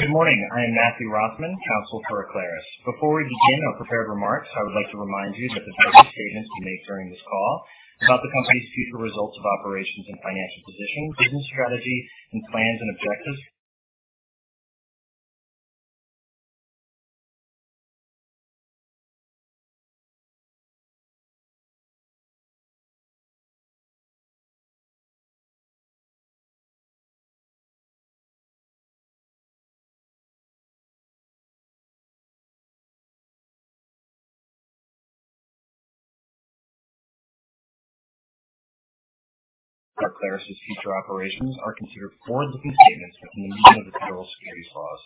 Good morning. I am Matthew Rothman, counsel for Aclaris. Before we begin our prepared remarks, I would like to remind you that certain statements we make during this call about the company's future results of operations and financial position, business strategy and plans and objectives of Aclaris' future operations are considered forward-looking statements within the meaning of the federal securities laws.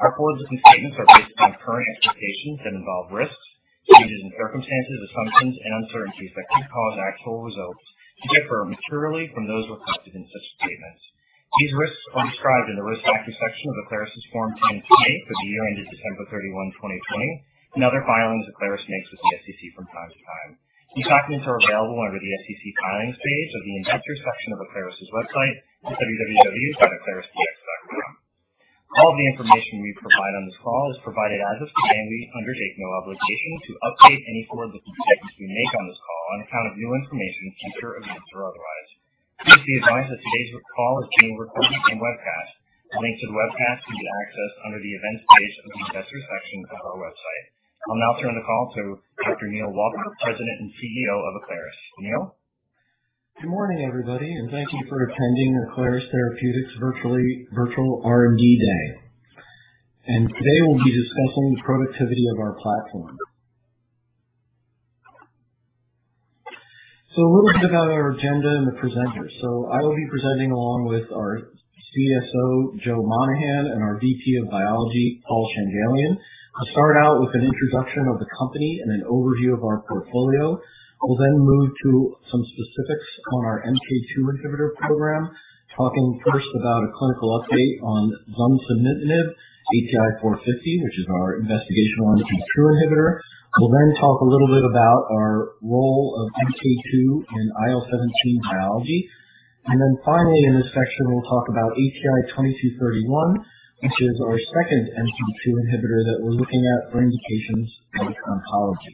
Our forward-looking statements are based on current expectations that involve risks, changes in circumstances, assumptions, and uncertainties that could cause actual results to differ materially from those reflected in such statements. These risks are described in the Risk Factor section of Aclaris' Form 10-K for the year ended December 31st, 2020, and other filings Aclaris makes with the SEC from time to time. These documents are available under the SEC Filings page of the Investors section of Aclaris' website at www.aclarisrx.com. All of the information we provide on this call is provided as of today, and we undertake no obligation to update any forward-looking statements we make on this call on account of new information, future events or otherwise. Please be advised that today's call is being recorded and webcast. A link to the webcast can be accessed under the Events page of the Investors section of our website. I'll now turn the call to Dr. Neal Walker, President and Chief Executive Officer of Aclaris. Neal. Good morning, everybody, and thank you for attending Aclaris Therapeutics virtual R&D Day. Today we'll be discussing the productivity of our platform. A little bit about our agenda and the presenters. I will be presenting along with our Chief Scientific Officer, Joe Monahan, and our Vice President of Biology, Paul Changelian. I'll start out with an introduction of the company and an overview of our portfolio. I will then move to some specifics on our MK2 inhibitor program, talking first about a clinical update on zunsemetinib, ATI-450, which is our investigational MK2 inhibitor. We'll then talk a little bit about our role of MK2 in IL-17 biology. Then finally in this section we'll talk about ATI-2231, which is our second MK2 inhibitor that we're looking at for indications in oncology.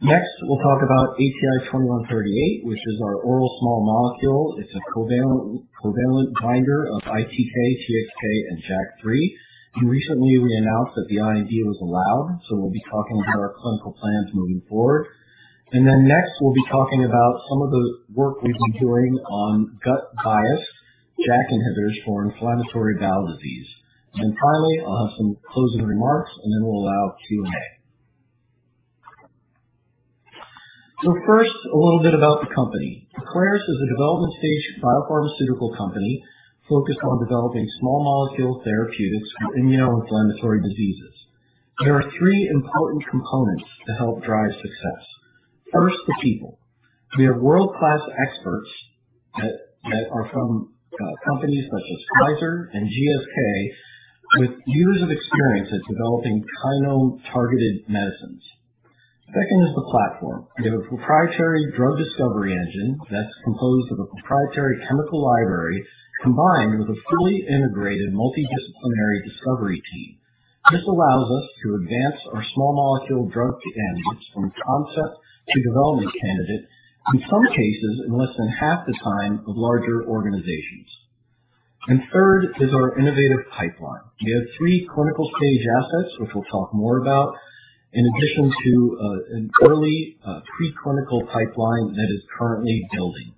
Next, we'll talk about ATI-2138, which is our oral small molecule. It's a covalent binder of ITK, TXK, and JAK3. Recently we announced that the IND was allowed. We'll be talking about our clinical plans moving forward. Then next we'll be talking about some of the work we've been doing on gut bias, JAK inhibitors for inflammatory bowel disease. Then finally, I'll have some closing remarks, and then we'll allow Q&A. First, a little bit about the company. Aclaris is a development stage biopharmaceutical company focused on developing small molecule therapeutics for immunoinflammatory diseases. There are three important components to help drive success. First, the people. We have world-class experts that are from companies such as Pfizer and GSK, with years of experience at developing kinome-targeted medicines. Second is the platform. We have a proprietary drug discovery engine that's composed of a proprietary chemical library combined with a fully integrated multidisciplinary discovery team. This allows us to advance our small molecule drug candidates from concept to development candidate, in some cases in less than half the time of larger organizations. Third is our innovative pipeline. We have three clinical-stage assets, which we'll talk more about, in addition to an early preclinical pipeline that is currently building.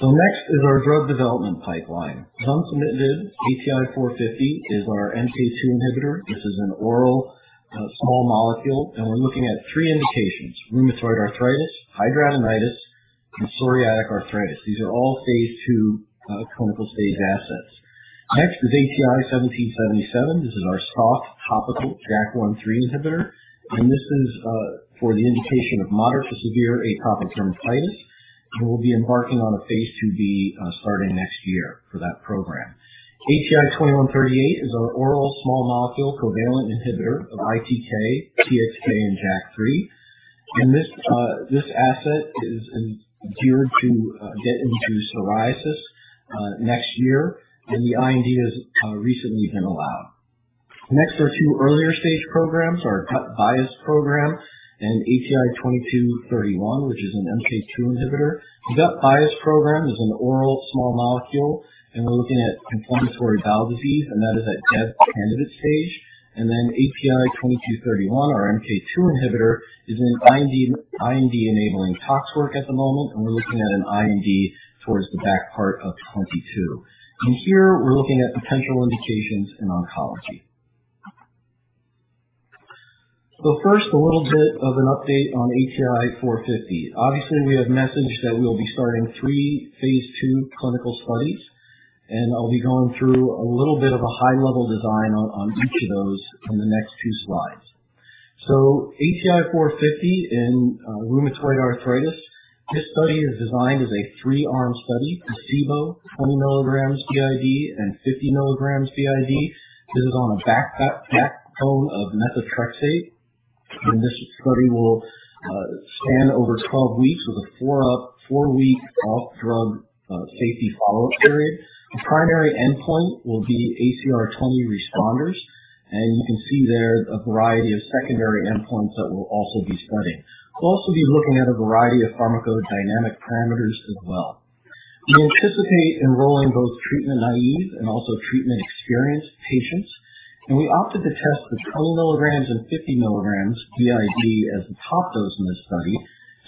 Next is our drug development pipeline. Zunsemetinib, ATI-450, is our MK2 inhibitor. This is an oral small molecule, and we're looking at three indications: rheumatoid arthritis, hidradenitis, and psoriatic arthritis. These are all phase II clinical-stage assets. Next is ATI-1777. This is our soft topical JAK1/3 inhibitor, and this is for the indication of moderate to severe atopic dermatitis, and we'll be embarking on a phase II-B starting next year for that program. ATI-2138 is our oral small molecule covalent inhibitor of ITK, TXK, and JAK3. This asset is geared to get into psoriasis next year, and the IND has recently been allowed. Next are two earlier stage programs, our gut-biased program and ATI-2231, which is an MK2 inhibitor. The gut-biased program is an oral small molecule, and we're looking at inflammatory bowel disease, and that is at dev candidate stage. ATI-2231, our MK2 inhibitor, is in IND-enabling tox work at the moment, and we're looking at an IND towards the back part of 2022. Here we're looking at potential indications in oncology. First, a little bit of an update on ATI-450. Obviously, we have messaged that we will be starting three phase II clinical studies, and I'll be going through a little bit of a high-level design on each of those in the next two slides. ATI-450 in rheumatoid arthritis. This study is designed as a three-arm study, placebo, 20 mg BID, and 50 mg BID. This is on a backbone of methotrexate. This study will span over 12 weeks with a four-week off-drug safety follow-up period. The primary endpoint will be ACR20 responders, and you can see there's a variety of secondary endpoints that we'll also be studying. We'll also be looking at a variety of pharmacodynamic parameters as well. We anticipate enrolling both treatment naive and also treatment-experienced patients, and we opted to test the 12 mg and 50 mg BID as the top dose in this study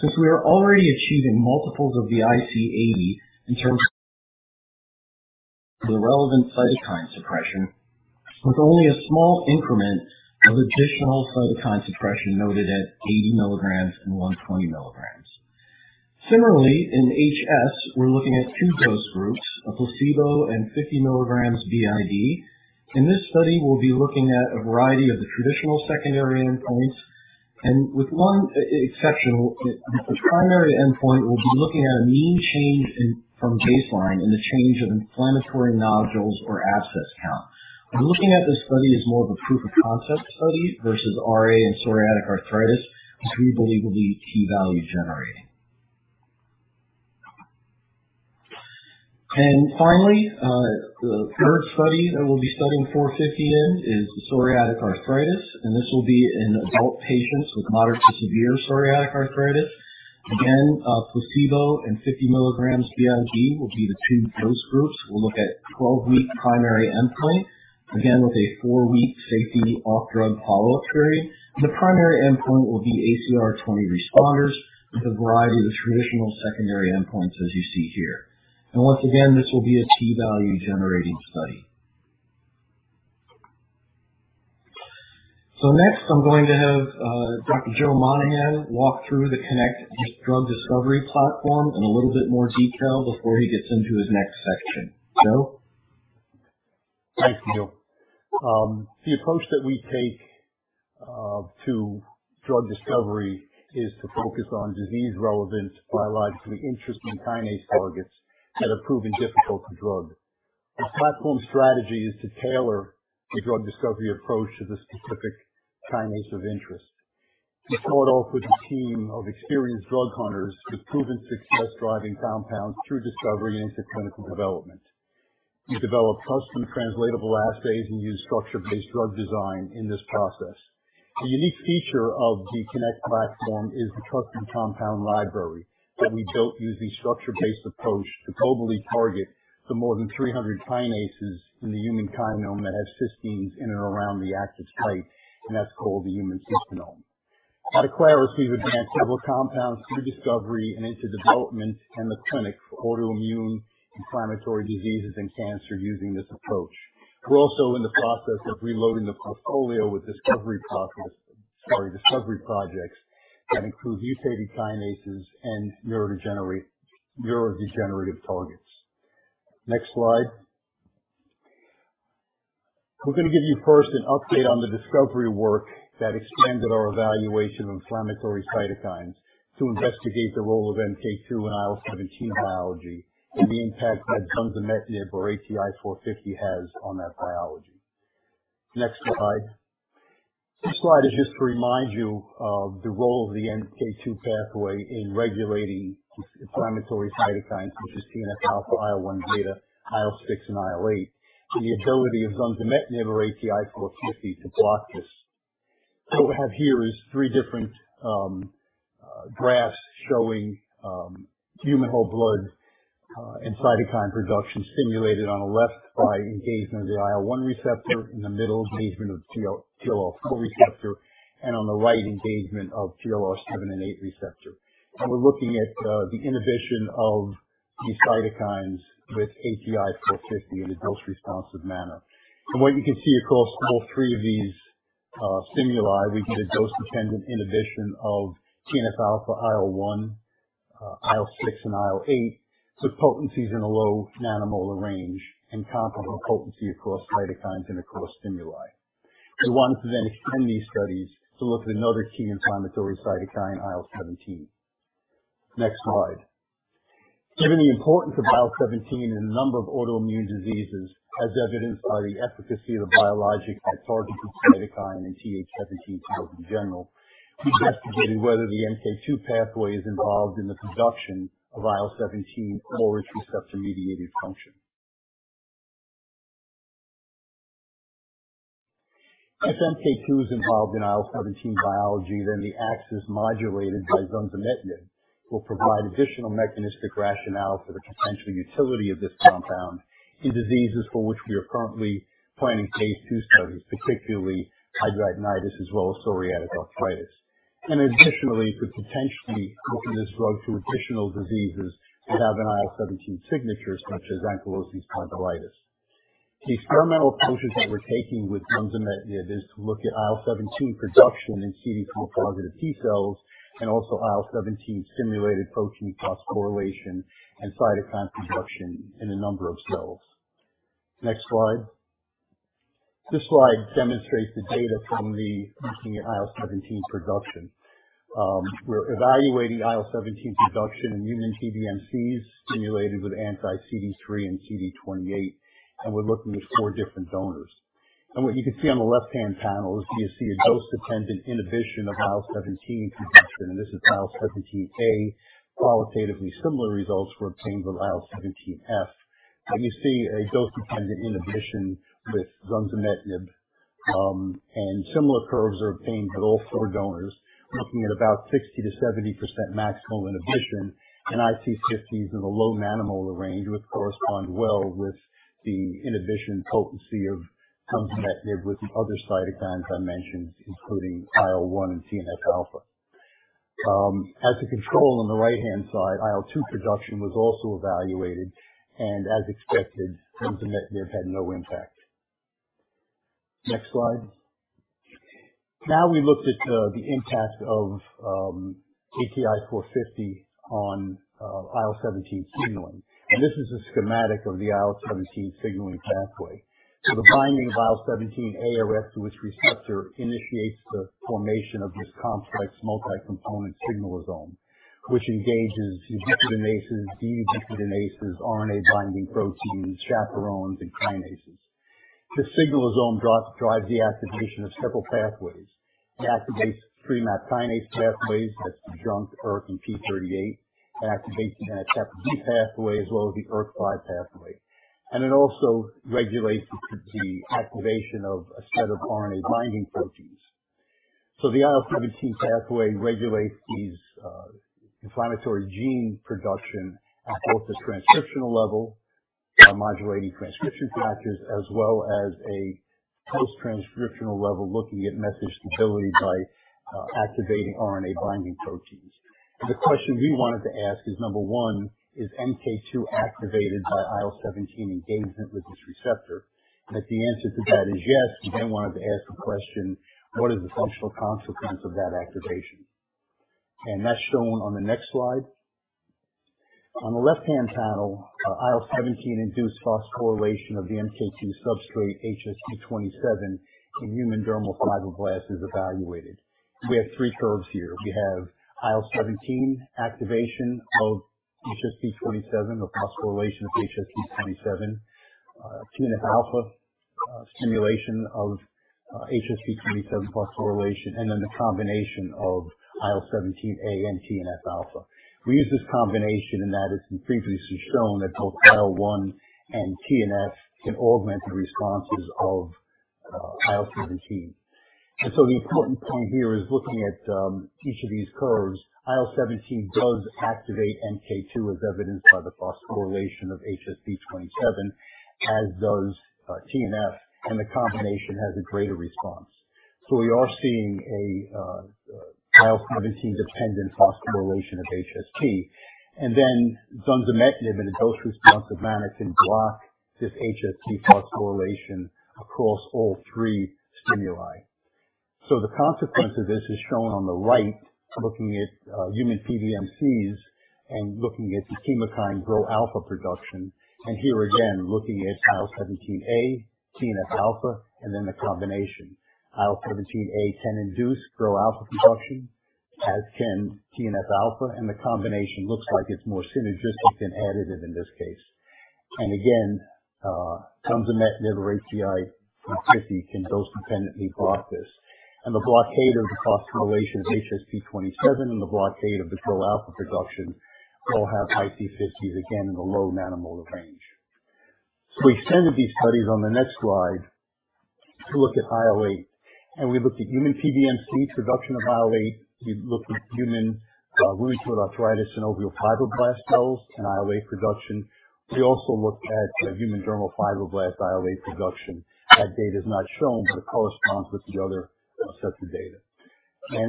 since we are already achieving multiples of the IC80 in terms of the relevant cytokine suppression, with only a small increment of additional cytokine suppression noted at 80 mg and 120 mg. Similarly, in HS, we're looking at two dose groups, a placebo and 50 mg BID. In this study, we'll be looking at a variety of the traditional secondary endpoints and with one exception as the primary endpoint, we'll be looking at a mean change from baseline in the change of inflammatory nodules or abscess count. We're looking at this study as more of a proof of concept study versus RA and psoriatic arthritis, which we believe will be key value generating. Finally, the third study that we'll be studying ATI-450 in is psoriatic arthritis, and this will be in adult patients with moderate to severe psoriatic arthritis. Again, a placebo and 50 mg BID will be the two dose groups. We'll look at 12-week primary endpoint, again, with a four-week safety off-drug follow-up period. The primary endpoint will be ACR20 responders with a variety of the traditional secondary endpoints as you see here. Once again, this will be a key value generating study. Next, I'm going to have Dr. Joe Monahan walk through the KINect drug discovery platform in a little bit more detail before he gets into his next section. Joe. Thanks, Neal. The approach that we take to drug discovery is to focus on disease-relevant biologically interesting kinase targets that have proven difficult to drug. The platform strategy is to tailor the drug discovery approach to the specific kinase of interest. We start off with a team of experienced drug hunters with proven success driving compounds through discovery into clinical development. We develop custom translatable assays and use structure-based drug design in this process. The unique feature of the KINect platform is the trusted compound library that we built using structure-based approach to globally target the more than 300 kinases in the human kinome that has cysteines in and around the active site, and that's called the human cysteinome. At Aclaris, we've advanced several compounds through discovery and into development and the clinic for autoimmune inflammatory diseases and cancer using this approach. We're also in the process of reloading the portfolio with discovery projects that include undrugged kinases and neurodegenerative targets. Next slide. We're gonna give you first an update on the discovery work that expanded our evaluation of inflammatory cytokines to investigate the role of MK2 and IL-17 biology and the impact that zunsemetinib or ATI-450 has on that biology. Next slide. This slide is just to remind you of the role of the MK2 pathway in regulating inflammatory cytokines, which is TNF-α, IL-1β, IL-6, and IL-8, and the ability of zunsemetinib or ATI-450 to block this. What we have here is three different graphs showing human whole blood and cytokine production stimulated on the left by engagement of the IL-1 receptor, in the middle, engagement of the TLR4 receptor, and on the right, engagement of the TLR7/8 receptor. We're looking at the inhibition of these cytokines with ATI-450 in a dose-responsive manner. From what you can see across all three of these stimuli, we get a dose-dependent inhibition of TNF-α IL-1, IL-6 and IL-8, with potencies in a low nanomolar range and comparable potency across cytokines and across stimuli. We wanted to then extend these studies to look at another key inflammatory cytokine, IL-17. Next slide. Given the importance of IL-17 in a number of autoimmune diseases, as evidenced by the efficacy of the biologic targeted cytokine and Th17 cells in general, we investigated whether the MK2 pathway is involved in the production of IL-17 or its receptor-mediated function. If MK2 is involved in IL-17 biology, then the axis modulated by zunsemetinib will provide additional mechanistic rationale for the potential utility of this compound in diseases for which we are currently planning phase II studies, particularly hidradenitis as well as psoriatic arthritis. Additionally, could potentially open this drug to additional diseases that have an IL-17 signature such as ankylosing spondylitis. The experimental approaches that we're taking with zunsemetinib is to look at IL-17 production in CD4 positive T-cells and also IL-17 stimulated protein phosphorylation and cytokine production in a number of cells. Next slide. This slide demonstrates the data from looking at IL-17 production. We're evaluating IL-17 production in human PBMCs stimulated with anti-CD3 and CD28, and we're looking at four different donors. What you can see on the left-hand panel is you see a dose-dependent inhibition of IL-17 production, and this is IL-17A. Qualitatively similar results were obtained with IL-17F. You see a dose-dependent inhibition with zunsemetinib, and similar curves are obtained with all four donors, looking at about 60%-70% maximal inhibition. IC50 is in the low nanomolar range, which corresponds well with the inhibition potency of zunsemetinib with the other cytokines I mentioned, including IL-1 and TNF-α. As a control on the right-hand side, IL-2 production was also evaluated, and as expected, zunsemetinib had no impact. Next slide. Now we looked at the impact of ATI-450 on IL-17 signaling. This is a schematic of the IL-17 signaling pathway. The binding of IL-17RA to its receptor initiates the formation of this complex multi-component signalosome, which engages deubiquitinases, DUB ubiquitinases, RNA binding proteins, chaperones, and kinases. The signalosome drives deactivation of several pathways. It activates three MAP kinase pathways, that's the JNK, ERK, and p38. It activates the NF-κB pathway as well as the ERK5 pathway. It also regulates the activation of a set of RNA binding proteins. The IL-17 pathway regulates these inflammatory gene production at both the transcriptional level by modulating transcription factors, as well as a post-transcriptional level, looking at message stability by activating RNA binding proteins. The question we wanted to ask is, number one, is MK2 activated by IL-17 engagement with this receptor? If the answer to that is yes, we then wanted to ask the question, what is the functional consequence of that activation? That's shown on the next slide. On the left-hand panel, IL-17-induced phosphorylation of the MK2 substrate HSP27 in human dermal fibroblasts is evaluated. We have three curves here. We have IL-17 activation of HSP27, or phosphorylation of HSP27, TNF-α stimulation of HSP27 phosphorylation, and then the combination of IL-17A and TNF-α. We use this combination in that it's been previously shown that both IL-1 and TNF can augment the responses of IL-17. The important point here is looking at each of these curves, IL-17 does activate MK2, as evidenced by the phosphorylation of HSP27, as does TNF, and the combination has a greater response. We are seeing a IL-17-dependent phosphorylation of HSP. Zunsemetinib in a dose-response manner can block this HSP27 phosphorylation across all three stimuli. The consequence of this is shown on the right, looking at human PBMCs and looking at the chemokine GRO-α production. Looking at IL-17A, TNF-α, and then the combination. IL-17A can induce GRO-α production, as can TNF-α, and the combination looks like it's more synergistic than additive in this case. Zunsemetinib or ATI-450 can dose-dependently block this. The blockade of the phosphorylation of HSP27 and the blockade of the GRO-α production all have IC50s again in the low nanomolar range. We extended these studies on the next slide to look at IL-8, and we looked at human PBMC production of IL-8. We looked at human rheumatoid arthritis synovial fibroblast cells and IL-8 production. We also looked at human dermal fibroblasts IL-8 production. That data is not shown, but it corresponds with the other sets of data.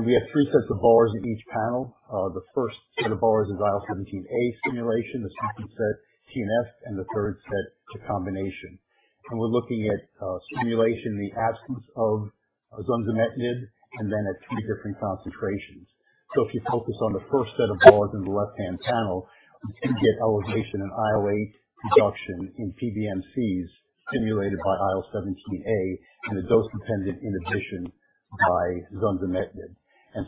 We have three sets of bars in each panel. The first set of bars is IL-17A stimulation, the second set TNF, and the third set the combination. We're looking at stimulation in the absence of zunsemetinib, and then at two different concentrations. If you focus on the first set of bars in the left-hand panel, we do get elevation in IL-8 production in PBMCs stimulated by IL-17A and a dose-dependent inhibition by zunsemetinib.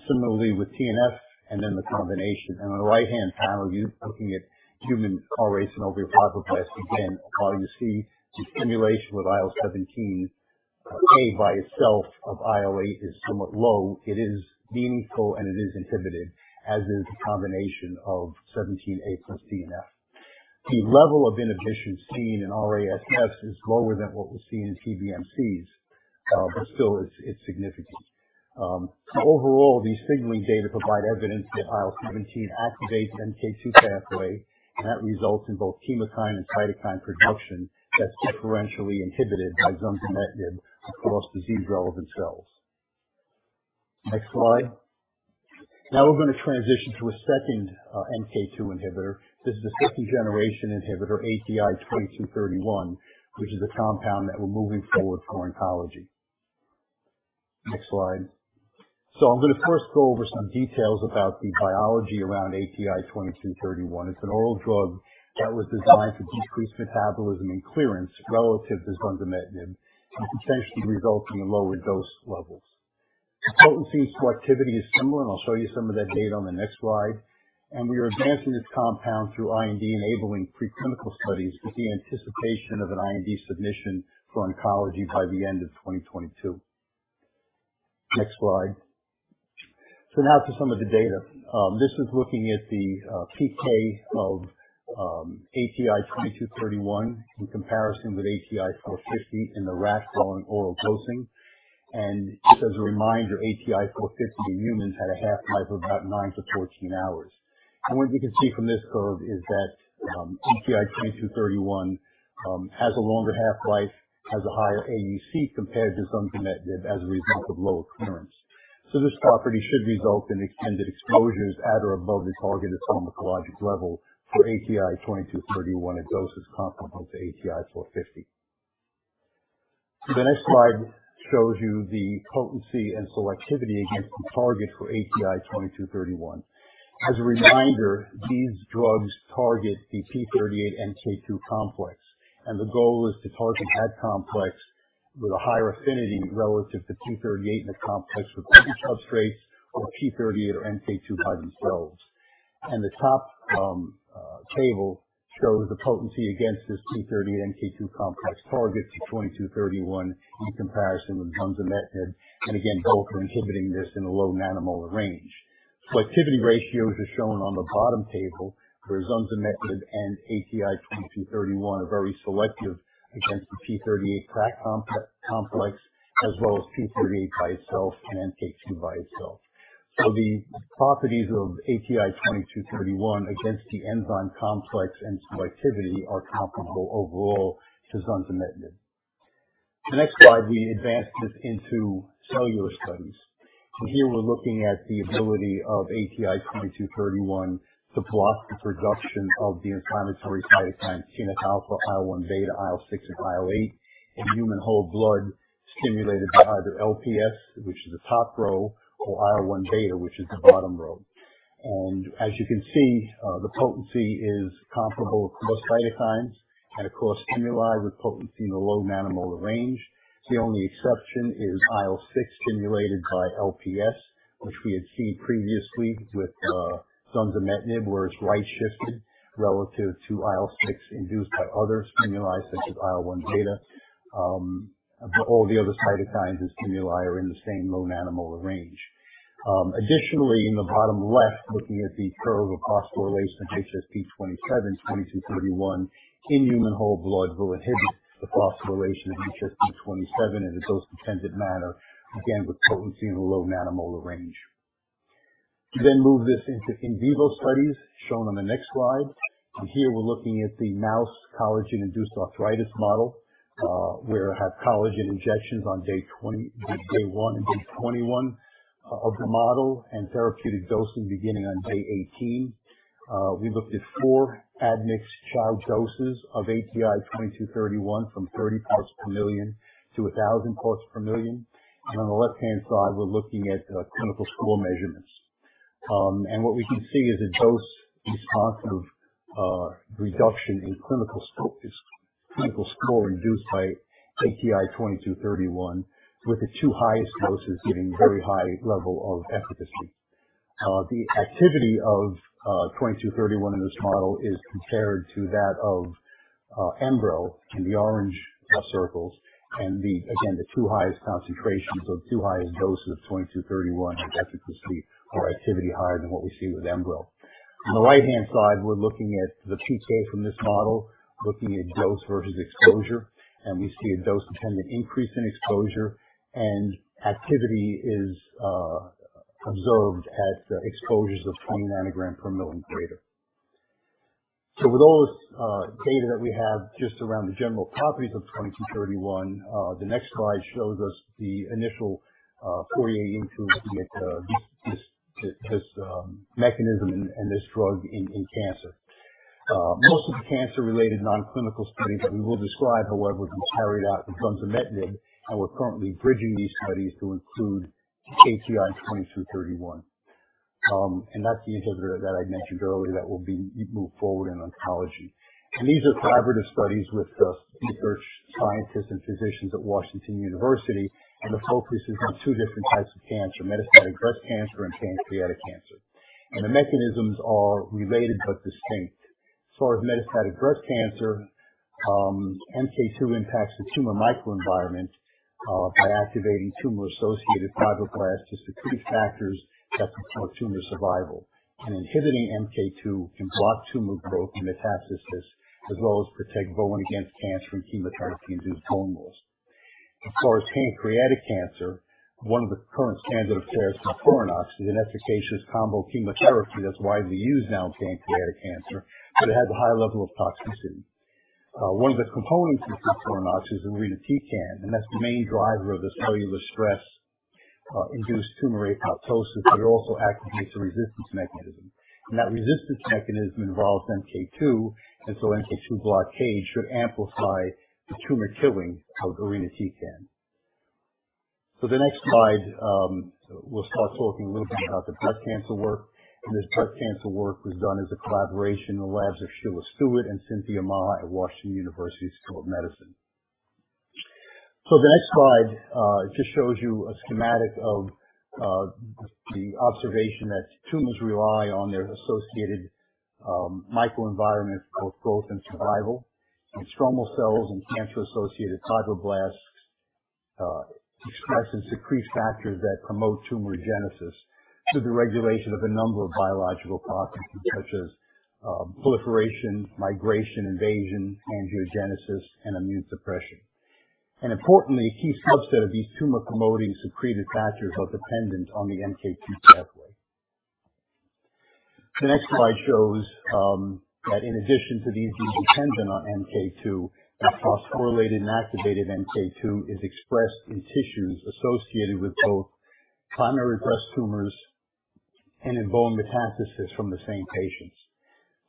Similarly with TNF and then the combination. On the right-hand panel, you're looking at human RA synovial fibroblasts again. While you see the stimulation with IL-17A by itself of IL-8 is somewhat low, it is meaningful, and it is inhibited, as is the combination of 17A plus TNF. The level of inhibition seen in RA SF is lower than what we see in PBMCs, but still it's significant. Overall, these signaling data provide evidence that IL-17 activates the MK2 pathway, and that results in both chemokine and cytokine production that's differentially inhibited by zunsemetinib across disease-relevant cells. Next slide. Now we're going to transition to a second MK2 inhibitor. This is a 5th-generation inhibitor, ATI-2231, which is a compound that we're moving forward for oncology. Next slide. I'm gonna first go over some details about the biology around ATI-2231. It's an oral drug that was designed to decrease metabolism and clearance relative to zunsemetinib, and potentially result in lower dose levels. Potency selectivity is similar, and I'll show you some of that data on the next slide. We are advancing this compound through IND-enabling preclinical studies with the anticipation of an IND submission for oncology by the end of 2022. Next slide. Now to some of the data. This is looking at the PK of ATI-2231 in comparison with ATI-450 in the rat following oral dosing. Just as a reminder, ATI-450 in humans had a half-life of about nine hours to 14 hours. What you can see from this curve is that ATI-2231 has a longer half-life, has a higher AUC compared to zunsemetinib as a result of low clearance. This property should result in extended exposures at or above the targeted pharmacologic level for ATI-2231 at doses comparable to ATI-450. The next slide shows you the potency and selectivity against the target for ATI-2231. As a reminder, these drugs target the p38/MK2 complex, and the goal is to target that complex with a higher affinity relative to p38 in the complex with MK2 substrates or p38 or MK2 by themselves. In the top table shows the potency against this p38/MK2 complex target for ATI-2231 in comparison with zunsemetinib, and again, both are inhibiting this in a low nanomolar range. Selectivity ratios are shown on the bottom table where zunsemetinib and ATI-2231 are very selective against the p38/MK2 complex as well as p38 by itself and MK2 by itself. The properties of ATI-2231 against the enzyme complex and selectivity are comparable overall to zunsemetinib. On the next slide, we advanced this into cellular studies. Here we're looking at the ability of ATI-2231 to block the production of the inflammatory cytokines TNF-α, IL-1β, IL-6, and IL-8 in human whole blood stimulated by either LPS, which is the top row, or IL-1β, which is the bottom row. As you can see, the potency is comparable for most cytokines and across stimuli with potency in the low nanomolar range. The only exception is IL-6 stimulated by LPS, which we had seen previously with zunsemetinib, where it's right shifted relative to IL-6 induced by other stimuli such as IL-1β. All the other cytokines and stimuli are in the same low nanomolar range. Additionally, in the bottom left, looking at the curve of phosphorylation of HSP27, ATI-2231 in human whole blood will inhibit the phosphorylation of HSP27 in a dose-dependent manner, again, with potency in the low nanomolar range. We then move this into in vivo studies shown on the next slide. Here we're looking at the mouse collagen-induced arthritis model, where it had collagen injections on day one and day 21 of the model and therapeutic dosing beginning on day 18. We looked at four admixed chow doses of ATI-2231 from 30 ppm-1,000 ppm. On the left-hand side, we're looking at clinical score measurements. What we can see is a dose-responsive reduction in clinical score induced by ATI-2231, with the two highest doses giving very high level of efficacy. The activity of ATI-2231 in this model is compared to that of Enbrel in the orange circles. Again, the two highest concentrations or the two highest doses of ATI-2231 have efficacy or activity higher than what we see with Enbrel. On the right-hand side, we're looking at the PK from this model, looking at dose versus exposure, and we see a dose-dependent increase in exposure and activity is observed at exposures of 20 ng/mL or greater. With all this data that we have just around the general properties of ATI-2231, the next slide shows us the initial foraying into this mechanism and this drug in cancer. Most of the cancer-related non-clinical studies that we will describe, however, was carried out in zunsemetinib, and we're currently bridging these studies to include ATI-2231. That's the indication that I mentioned earlier that will be moved forward in oncology. These are collaborative studies with research scientists and physicians at Washington University, and the focus is on two different types of cancer, metastatic breast cancer and pancreatic cancer. The mechanisms are related but distinct. As far as metastatic breast cancer, MK2 impacts the tumor microenvironment by activating tumor-associated fibroblasts to secrete factors that promote tumor survival. Inhibiting MK2 can block tumor growth and metastasis, as well as protect bone against cancer and chemotherapy-induced bone loss. As far as pancreatic cancer, one of the current standard of care is FOLFIRINOX, which is an efficacious combo chemotherapy that's widely used now in pancreatic cancer, but it has a high level of toxicity. One of the components of FOLFIRINOX is irinotecan, and that's the main driver of the cellular stress induced tumor apoptosis, but it also activates a resistance mechanism. That resistance mechanism involves MK2, and MK2 blockade should amplify the tumor killing of irinotecan. The next slide we'll start talking a little bit about the breast cancer work. This breast cancer work was done as a collaboration in the labs of Sheila Stewart and Cynthia Ma at Washington University School of Medicine. The next slide just shows you a schematic of the observation that tumors rely on their associated microenvironment for both growth and survival. Stromal cells and cancer-associated fibroblasts express and secrete factors that promote tumorigenesis through the regulation of a number of biological processes such as proliferation, migration, invasion, angiogenesis and immune suppression. Importantly, a key subset of these tumor-promoting secreted factors are dependent on the MK2 pathway. The next slide shows that in addition to these being dependent on MK2, a phosphorylated and activated MK2 is expressed in tissues associated with both primary breast tumors and in bone metastasis from the same patients.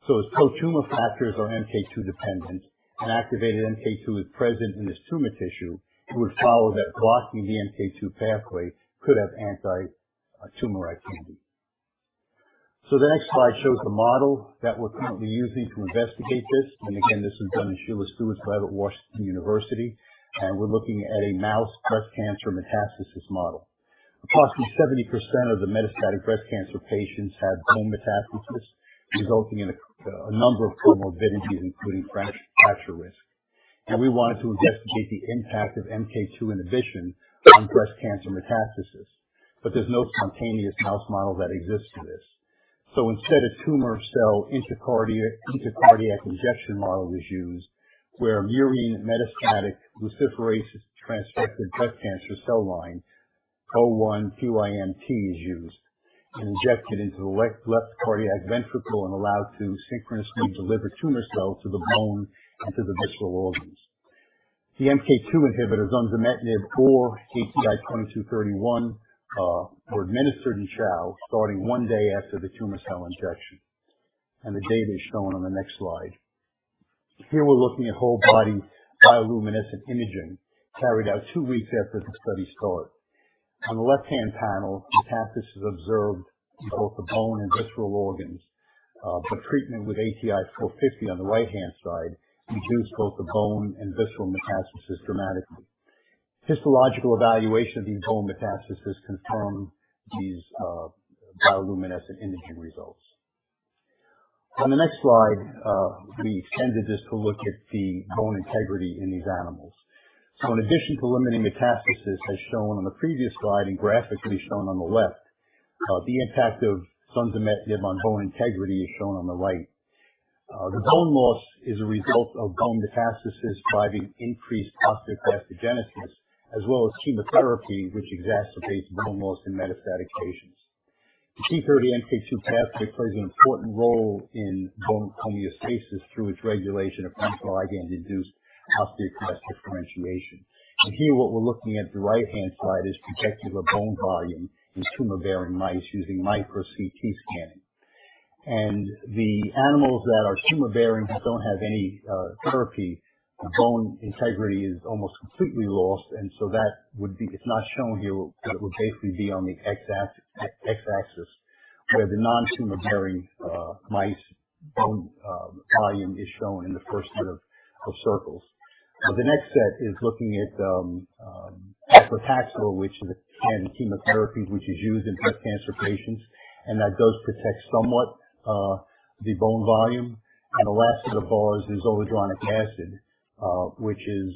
As pro-tumor factors are MK2 dependent and activated, MK2 is present in this tumor tissue, it would follow that blocking the MK2 pathway could have anti-tumor activity. The next slide shows the model that we're currently using to investigate this. This is done in Sheila Stewart's lab at Washington University, and we're looking at a mouse breast cancer metastasis model. Approximately 70% of the metastatic breast cancer patients have bone metastasis, resulting in a number of comorbidities, including fracture risk. We wanted to investigate the impact of MK2 inhibition on breast cancer metastasis. There's no spontaneous mouse model that exists for this. Instead, a tumor cell intracardiac injection model is used where a murine metastatic luciferase transfected breast cancer cell line, 4-1 QIMT, is used, injected into the left cardiac ventricle and allowed to synchronously deliver tumor cells to the bone and to the visceral organs. The MK2 inhibitor zunsemetinib or ATI-2231 were administered in chow starting 1 day after the tumor cell injection. The data is shown on the next slide. Here we're looking at whole body bioluminescent imaging carried out two weeks after the study start. On the left-hand panel, metastasis observed in both the bone and visceral organs, but treatment with ATI-450 on the right-hand side reduced both the bone and visceral metastasis dramatically. Histological evaluation of these bone metastasis confirmed these bioluminescent imaging results. On the next slide, we extended this to look at the bone integrity in these animals. In addition to limiting metastasis as shown on the previous slide and graphically shown on the left, the impact of zunsemetinib on bone integrity is shown on the right. The bone loss is a result of bone metastasis driving increased osteoclastogenesis, as well as chemotherapy which exacerbates bone loss in metastatic patients. The p38 MK2 pathway plays an important role in bone homeostasis through its regulation of ligand-induced osteoclast differentiation. Here what we're looking at the right-hand side is protect the bone volume in tumor-bearing mice using micro-CT scanning. The animals that are tumor-bearing but don't have any therapy, bone integrity is almost completely lost. That would be. It's not shown here, but it would basically be on the X-axis, where the non-tumor-bearing mice bone volume is shown in the first set of circles. The next set is looking at paclitaxel, which is a chemotherapy which is used in breast cancer patients, and that does protect somewhat the bone volume. The last set of bars is zoledronic acid, which is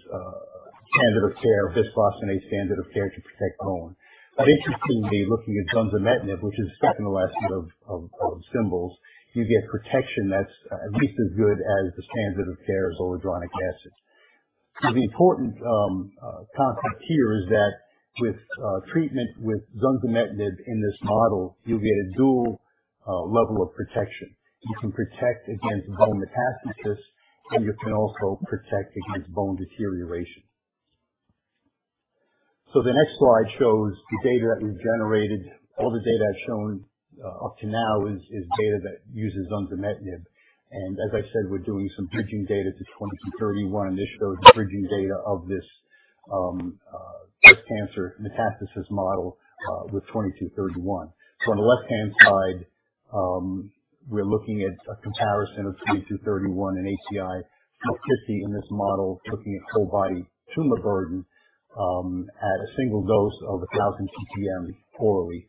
standard of care, bisphosphonate standard of care to protect bone. Interestingly, looking at zunsemetinib, which is second to last set of symbols, you get protection that's at least as good as the standard of care of zoledronic acid. The important concept here is that with treatment with zunsemetinib in this model, you get a dual level of protection. You can protect against bone metastasis, and you can also protect against bone deterioration. The next slide shows the data that we've generated. All the data shown up to now is data that uses zunsemetinib. As I said, we're doing some bridging data to 2231. This shows the bridging data of this breast cancer metastasis model with 2231. On the left-hand side, we're looking at a comparison of ATI-2231 and ATI-450 in this model, looking at whole body tumor burden, at a single dose of 1000 ppm orally.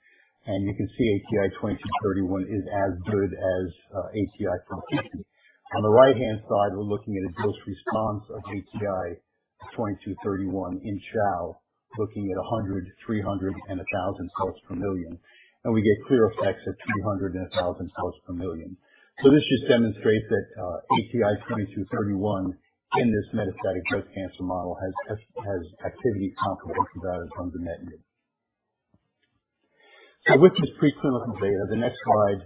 You can see ATI-2231 is as good as ATI-450. On the right-hand side, we're looking at a dose response of ATI-2231 in chow, looking at 100 cells, 300 cells and 1000 cells per million. We get clear effects at 200 cells and 1000 cells per million. This just demonstrates that ATI-2231 in this metastatic breast cancer model has activity comparable to that of zunsemetinib. With this preclinical data, the next slide,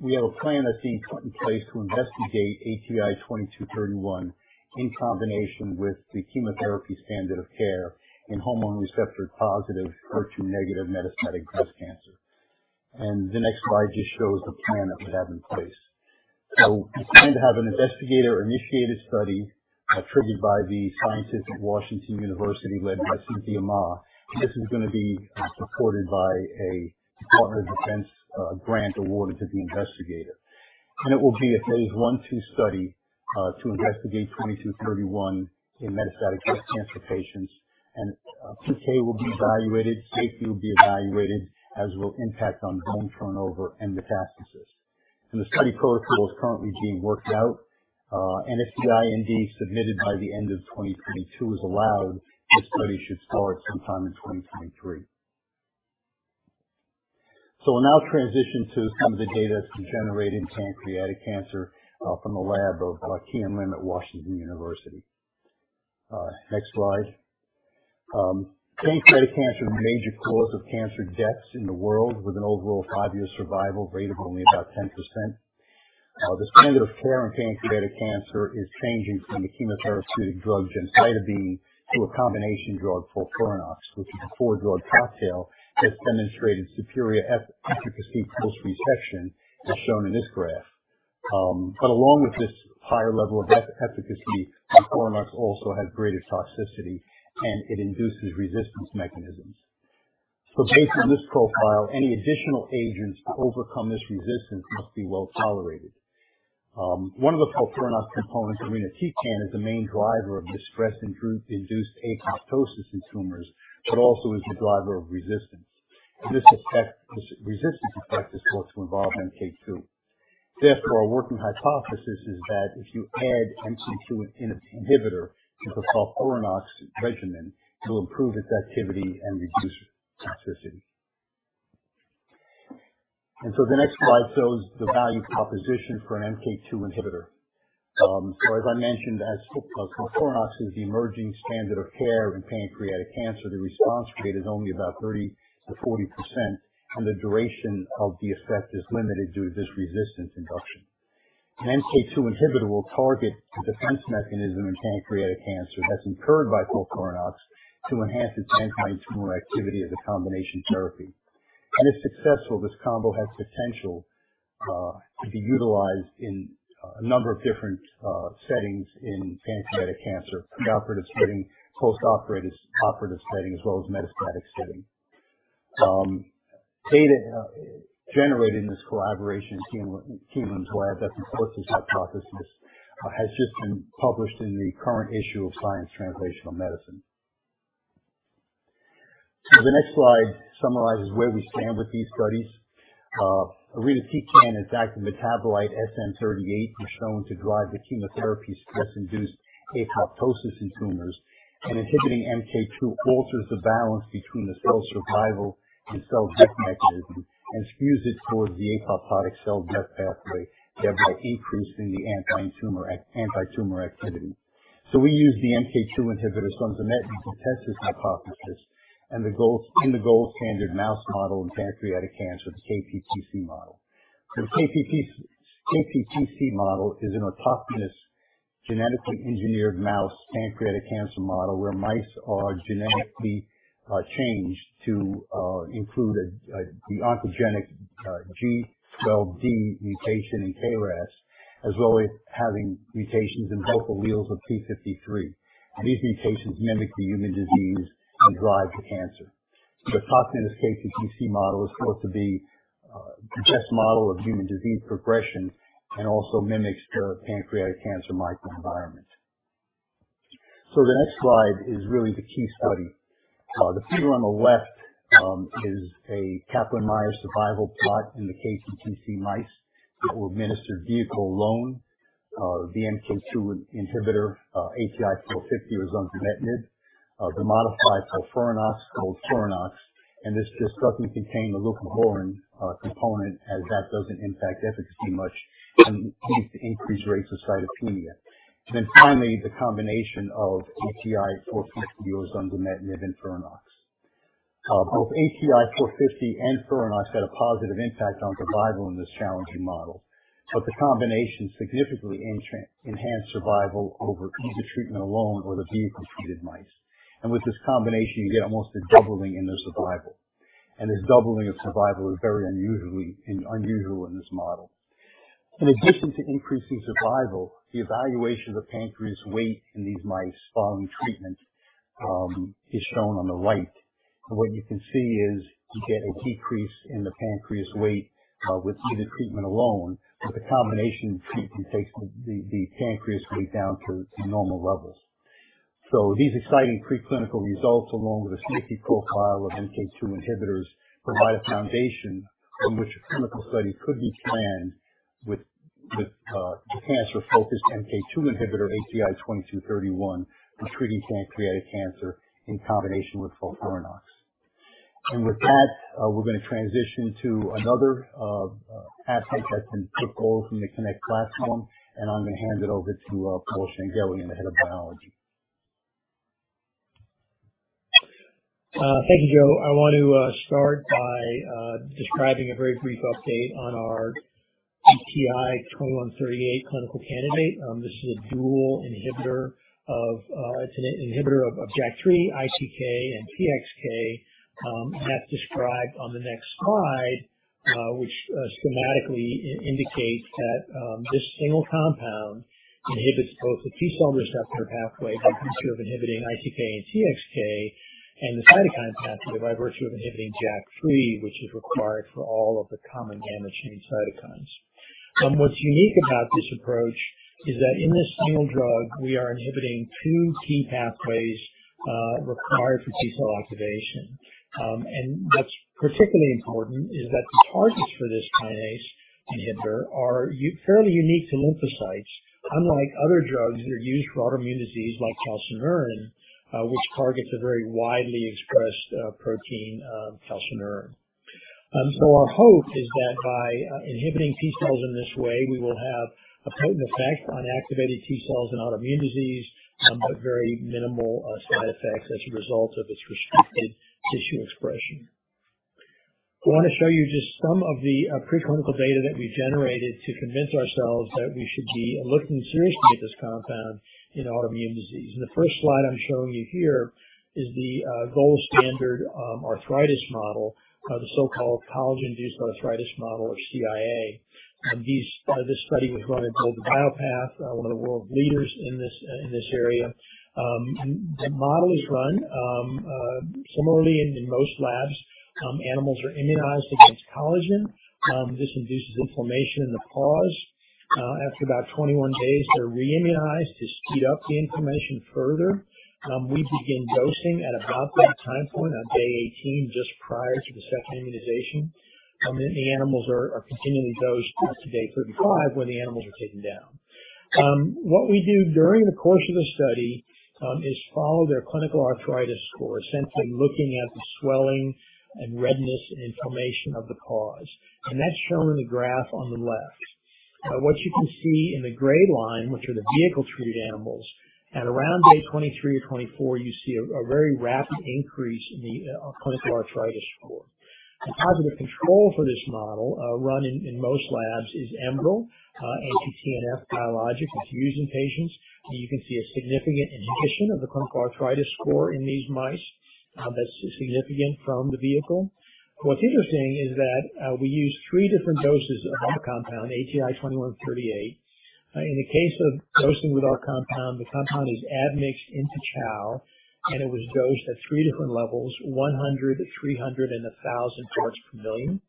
we have a plan that's being put in place to investigate ATI-2231 in combination with the chemotherapy standard of care in hormone receptor-positive HER2-negative metastatic breast cancer. The next slide just shows the plan that we have in place. We plan to have an investigator-initiated study, triggered by the scientists at Washington University led by Cynthia Ma. This is gonna be supported by Department of Defense grant award to the investigator. It will be a phase I/phase II study to investigate ATI-2231 in metastatic breast cancer patients. PK will be evaluated, safety will be evaluated as will impact on bone turnover and metastases. The study protocol is currently being worked out. If the IND submitted by the end of 2022 is allowed, this study should start sometime in 2023. We'll now transition to some of the data that's been generated in pancreatic cancer from the lab of Kian-Huat Lim at Washington University. Next slide. Pancreatic cancer is a major cause of cancer deaths in the world with an overall five-year survival rate of only about 10%. The standard of care in pancreatic cancer is changing from the chemotherapeutic drug gemcitabine to a combination drug FOLFIRINOX, which is a four-drug cocktail, has demonstrated superior efficacy post-resection, as shown in this graph. Along with this higher level of efficacy, FOLFIRINOX also has greater toxicity, and it induces resistance mechanisms. Based on this profile, any additional agents to overcome this resistance must be well tolerated. One of the FOLFIRINOX components, irinotecan, is the main driver of this stress-induced apoptosis in tumors, but also is the driver of resistance. This effect, resistance effect is thought to involve MK2. Therefore, our working hypothesis is that if you add an MK2 inhibitor to the FOLFIRINOX regimen, it will improve its activity and reduce toxicity. The next slide shows the value proposition for an MK2 inhibitor. As I mentioned, as FOLFIRINOX is the emerging standard of care in pancreatic cancer, the response rate is only about 30%-40%, and the duration of the effect is limited due to this resistance induction. An MK2 inhibitor will target the defense mechanism in pancreatic cancer that's induced by FOLFIRINOX to enhance its anti-tumor activity as a combination therapy. If successful, this combo has potential to be utilized in a number of different settings in pancreatic cancer, the operative setting, post-operative setting, as well as metastatic setting. Data generated in this collaboration in Kian-Huat Lim's lab that supports this hypothesis has just been published in the current issue of Science Translational Medicine. The next slide summarizes where we stand with these studies. Irinotecan's active metabolite, SN-38, is shown to drive the chemotherapy stress-induced apoptosis in tumors. Inhibiting MK2 alters the balance between the cell survival and cell death mechanism and skews it towards the apoptotic cell death pathway, thereby increasing the anti-tumor activity. We use the MK2 inhibitor zunsemetinib to test this hypothesis in the gold standard mouse model in pancreatic cancer, the KPPC model. The KPPC model is an autogenous genetically engineered mouse pancreatic cancer model where mice are genetically changed to include the oncogenic G12D mutation in KRAS, as well as having mutations in both alleles of P53. These mutations mimic the human disease and drive the cancer. Autogenous KPPC model is thought to be the best model of human disease progression and also mimics the pancreatic cancer microenvironment. The next slide is really the key study. The figure on the left is a Kaplan-Meier survival plot in the KPPC mice that were administered vehicle alone, the MK2 inhibitor ATI-450 or zunsemetinib, the modified FOLFIRINOX called mFOLFIRINOX. And this just doesn't contain the leucovorin component as that doesn't impact efficacy much and leads to increased rates of cytopenia. Finally, the combination of ATI-450 or zunsemetinib and FOLFIRINOX. Both ATI-450 and FOLFIRINOX had a positive impact on survival in this challenging model. The combination significantly enhanced survival over either treatment alone or the vehicle-treated mice. With this combination, you get almost a doubling in their survival. This doubling of survival is very unusual in this model. In addition to increasing survival, the evaluation of the pancreas weight in these mice following treatment is shown on the right. What you can see is you get a decrease in the pancreas weight with either treatment alone. The combination treatment can take the pancreas weight down to normal levels. These exciting preclinical results, along with the safety profile of MK2 inhibitors, provide a foundation on which a clinical study could be planned with the cancer-focused MK2 inhibitor, ATI-2231, for treating pancreatic cancer in combination with FOLFIRINOX. With that, we're gonna transition to another asset that's been pulled from the KINect platform, and I'm gonna hand it over to Paul Changelian, the head of biology. Thank you, Joe. I want to start by describing a very brief update on our ATI-2138 clinical candidate. This is a dual inhibitor of, it's an inhibitor of JAK3, ITK, and PXK, and that's described on the next slide. Which schematically indicates that this single compound inhibits both the T cell receptor pathway by virtue of inhibiting ITK and TXK and the cytokine pathway by virtue of inhibiting JAK3, which is required for all of the common gamma chain cytokines. What's unique about this approach is that in this single drug, we are inhibiting two key pathways required for T cell activation. What's particularly important is that the targets for this kinase inhibitor are fairly unique to lymphocytes. Unlike other drugs that are used for autoimmune disease like calcineurin, which targets a very widely expressed, protein, calcineurin. Our hope is that by inhibiting T cells in this way, we will have a potent effect on activated T cells in autoimmune disease, but very minimal, side effects as a result of its restricted tissue expression. I wanna show you just some of the, preclinical data that we generated to convince ourselves that we should be looking seriously at this compound in autoimmune disease. The first slide I'm showing you here is the, gold standard, arthritis model, the so-called collagen-induced arthritis model or CIA. This study was run at Bolder BioPATH, one of the world leaders in this, in this area. The model is run similarly in most labs. Animals are immunized against collagen. This induces inflammation in the paws. After about 21 days, they're re-immunized to speed up the inflammation further. We begin dosing at about that time point on day 18, just prior to the second immunization. The animals are continually dosed up to day 35 when the animals are taken down. What we do during the course of the study is follow their clinical arthritis score, essentially looking at the swelling and redness and inflammation of the paws. That's shown in the graph on the left. What you can see in the gray line, which are the vehicle-treated animals, at around day 23 or day 24, you see a very rapid increase in the clinical arthritis score. The positive control for this model, run in most labs is Enbrel, anti-TNF biologic that's used in patients. You can see a significant inhibition of the clinical arthritis score in these mice, that's significant from the vehicle. What's interesting is that, we use three different doses of our compound, ATI-2138. In the case of dosing with our compound, the compound is admixed into chow, and it was dosed at three different levels, 100 ppm, 300 ppm, and 1,000 ppm.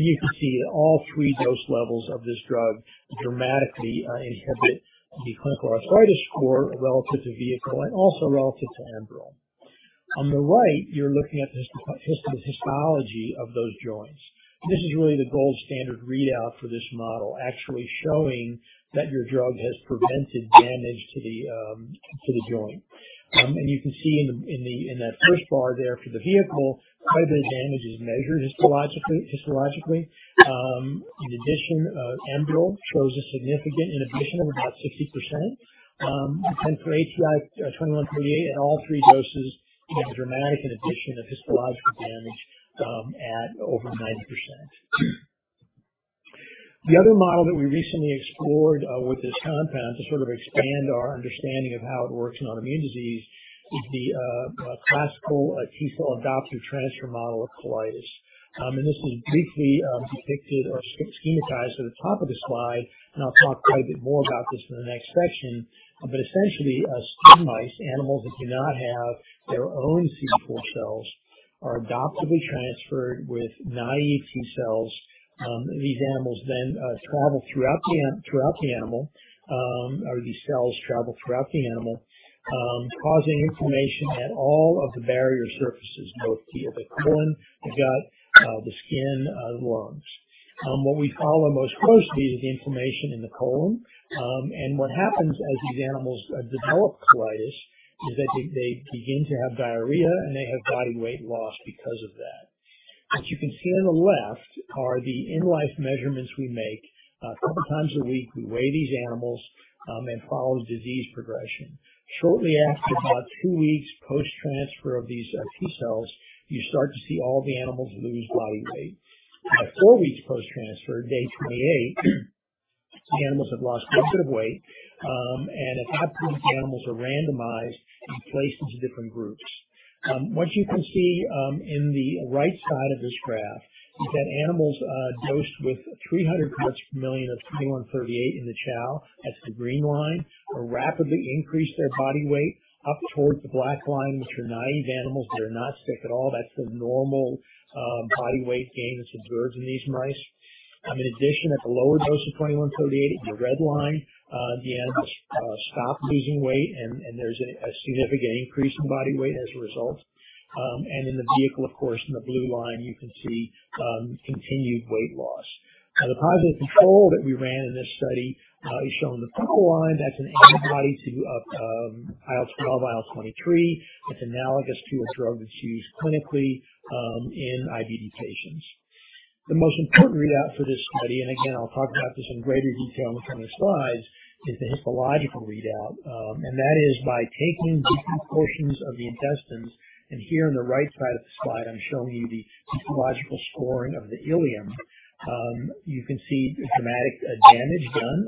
You can see all three dose levels of this drug dramatically inhibit the clinical arthritis score relative to vehicle and also relative to Enbrel. On the right, you're looking at histology of those joints. This is really the gold standard readout for this model, actually showing that your drug has prevented damage to the joint. You can see in that first bar there for the vehicle, quite a bit of damage is measured histologically. In addition, Enbrel shows a significant inhibition of about 60%. For ATI-2138 at all three doses, you have a dramatic inhibition of histological damage at over 90%. The other model that we recently explored with this compound to sort of expand our understanding of how it works in autoimmune disease is the classical T cell adoptive transfer model of colitis. This is briefly depicted or schematized at the top of the slide, and I'll talk quite a bit more about this in the next section. Essentially, SCID mice, animals that do not have their own CD4 cells, are adoptively transferred with naive T cells. These animals then travel throughout the animal, or these cells travel throughout the animal, causing inflammation at all of the barrier surfaces, both the colon, the gut, the skin, the lungs. What we follow most closely is inflammation in the colon. What happens as these animals develop colitis is that they begin to have diarrhea and they have body weight loss because of that. As you can see on the left are the in-life measurements we make. Couple times a week, we weigh these animals and follow disease progression. Shortly after about two weeks post-transfer of these T cells, you start to see all the animals lose body weight. At four weeks post-transfer, day 28, the animals have lost most of the weight, and at that point, the animals are randomized and placed into different groups. What you can see in the right side of this graph is that animals dosed with 300 ppm of ATI-2138 in the chow, that's the green line, will rapidly increase their body weight up towards the black line, which are naive animals that are not sick at all. That's the normal body weight gain that's observed in these mice. In addition, at the lower dose of ATI-2138 in the red line, the animals stop losing weight and there's a significant increase in body weight as a result. In the vehicle, of course, in the blue line, you can see continued weight loss. The positive control that we ran in this study is shown in the purple line. That's an antibody to IL-12, IL-23. It's analogous to a drug that's used clinically in IBD patients. The most important readout for this study, and again, I'll talk about this in greater detail in the coming slides, is the histological readout. That is by taking different portions of the intestines, and here on the right side of the slide, I'm showing you the histological scoring of the ileum. You can see the dramatic damage done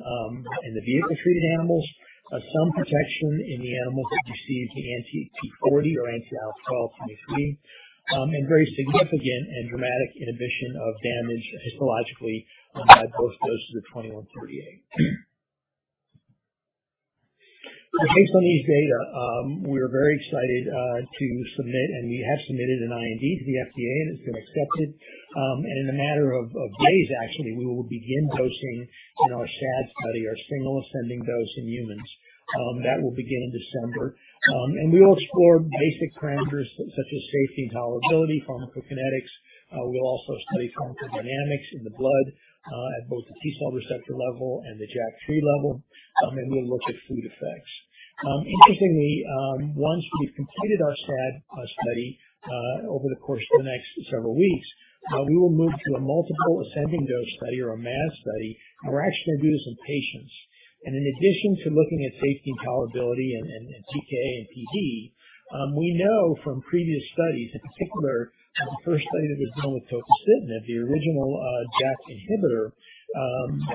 in the vehicle-treated animals. Some protection in the animals that received the anti-p40 or anti-IL-12/23. Very significant and dramatic inhibition of damage histologically at both doses of ATI-2138. Based on these data, we're very excited to submit, and we have submitted an IND to the FDA, and it's been accepted. In a matter of days, actually, we will begin dosing in our SAD study, our single ascending dose in humans. That will begin in December. We will explore basic parameters such as safety and tolerability, pharmacokinetics. We'll also study pharmacodynamics in the blood at both the T cell receptor level and the JAK3 level. We'll look at food effects. Interestingly, once we've completed our SHAD study over the course of the next several weeks, we will move to a multiple ascending dose study or a MAD study, and we're actually going to do this in patients. In addition to looking at safety and tolerability and PK and PD, we know from previous studies, in particular, the first study that was done with tofacitinib, the original JAK inhibitor,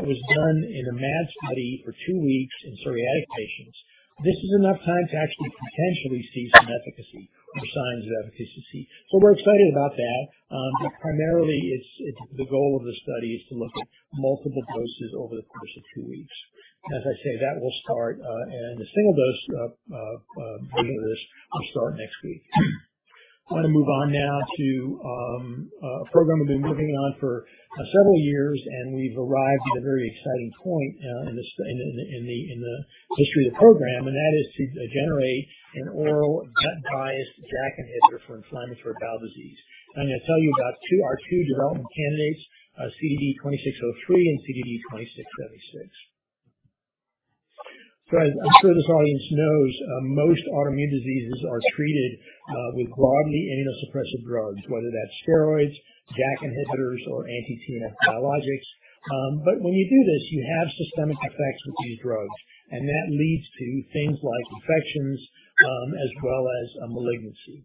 was done in a MAD study for two weeks in psoriatic patients. This is enough time to actually potentially see some efficacy or signs of efficacy. We're excited about that. But primarily it's the goal of the study is to look at multiple doses over the course of two weeks. As I say, that will start, and the single dose version of this will start next week. I'm gonna move on now to a program we've been working on for several years, and we've arrived at a very exciting point in the history of the program, and that is to generate an oral gut-biased JAK inhibitor for inflammatory bowel disease. I'm gonna tell you about our two development candidates, CDD-2603 and CDD-2676. As I'm sure this audience knows, most autoimmune diseases are treated with broadly immunosuppressive drugs, whether that's steroids, JAK inhibitors or anti-TNF biologics. When you do this, you have systemic effects with these drugs, and that leads to things like infections, as well as malignancy.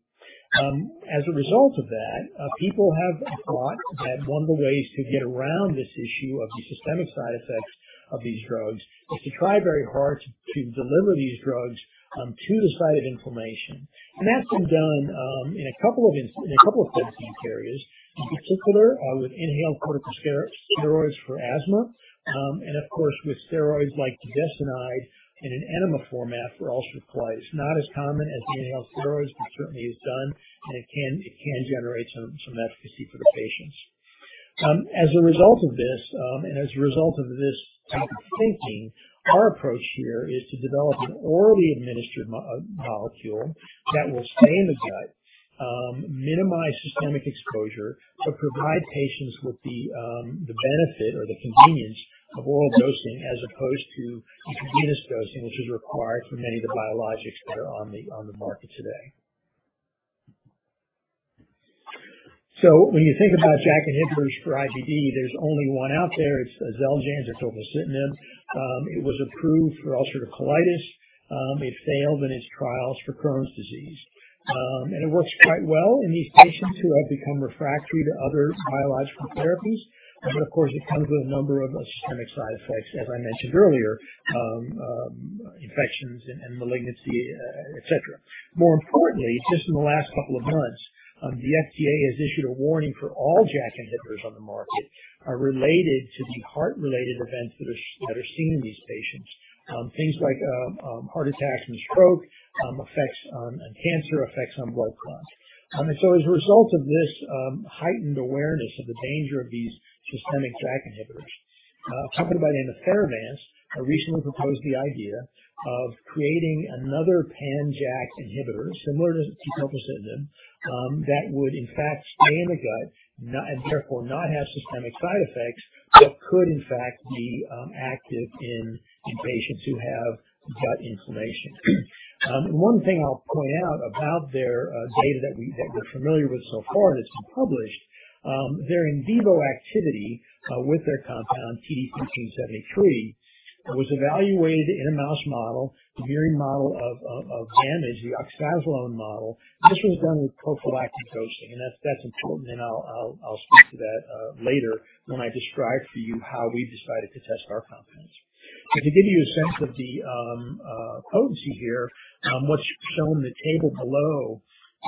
As a result of that, people have thought that one of the ways to get around this issue of the systemic side effects of these drugs is to try very hard to deliver these drugs to the site of inflammation. That's been done in a couple of disease areas, in particular, with inhaled corticosteroids for asthma, and of course, with steroids like budesonide in an enema format for ulcerative colitis. Not as common as the inhaled steroids, but certainly is done, and it can generate some efficacy for the patients. As a result of this type of thinking, our approach here is to develop an orally administered molecule that will stay in the gut, minimize systemic exposure, but provide patients with the benefit or the convenience of oral dosing as opposed to intravenous dosing, which is required for many of the biologics that are on the market today. When you think about JAK inhibitors for IBD, there's only one out there. It's XELJANZ or tofacitinib. It was approved for ulcerative colitis. It failed in its trials for Crohn's disease. It works quite well in these patients who have become refractory to other biological therapies. Of course, it comes with a number of systemic side effects, as I mentioned earlier, infections and malignancy, et cetera. More importantly, just in the last couple of months, the FDA has issued a warning for all JAK inhibitors on the market, related to the heart-related events that are seen in these patients. Things like heart attacks and stroke, effects on, and cancer, effects on blood clots. As a result of this, heightened awareness of the danger of these systemic JAK inhibitors, a company by the name of Theravance Biopharma recently proposed the idea of creating another pan-JAK inhibitor similar to tofacitinib, that would in fact stay in the gut, and therefore not have systemic side effects, but could in fact be active in patients who have gut inflammation. One thing I'll point out about their data that we're familiar with so far that's been published, their in vivo activity with their compound TD-1473 was evaluated in a mouse model, the murine model of VAMID, the oxazolone model. This was done with prophylactic dosing, and that's important, and I'll speak to that later when I describe for you how we've decided to test our compounds. To give you a sense of the potency here, what's shown in the table below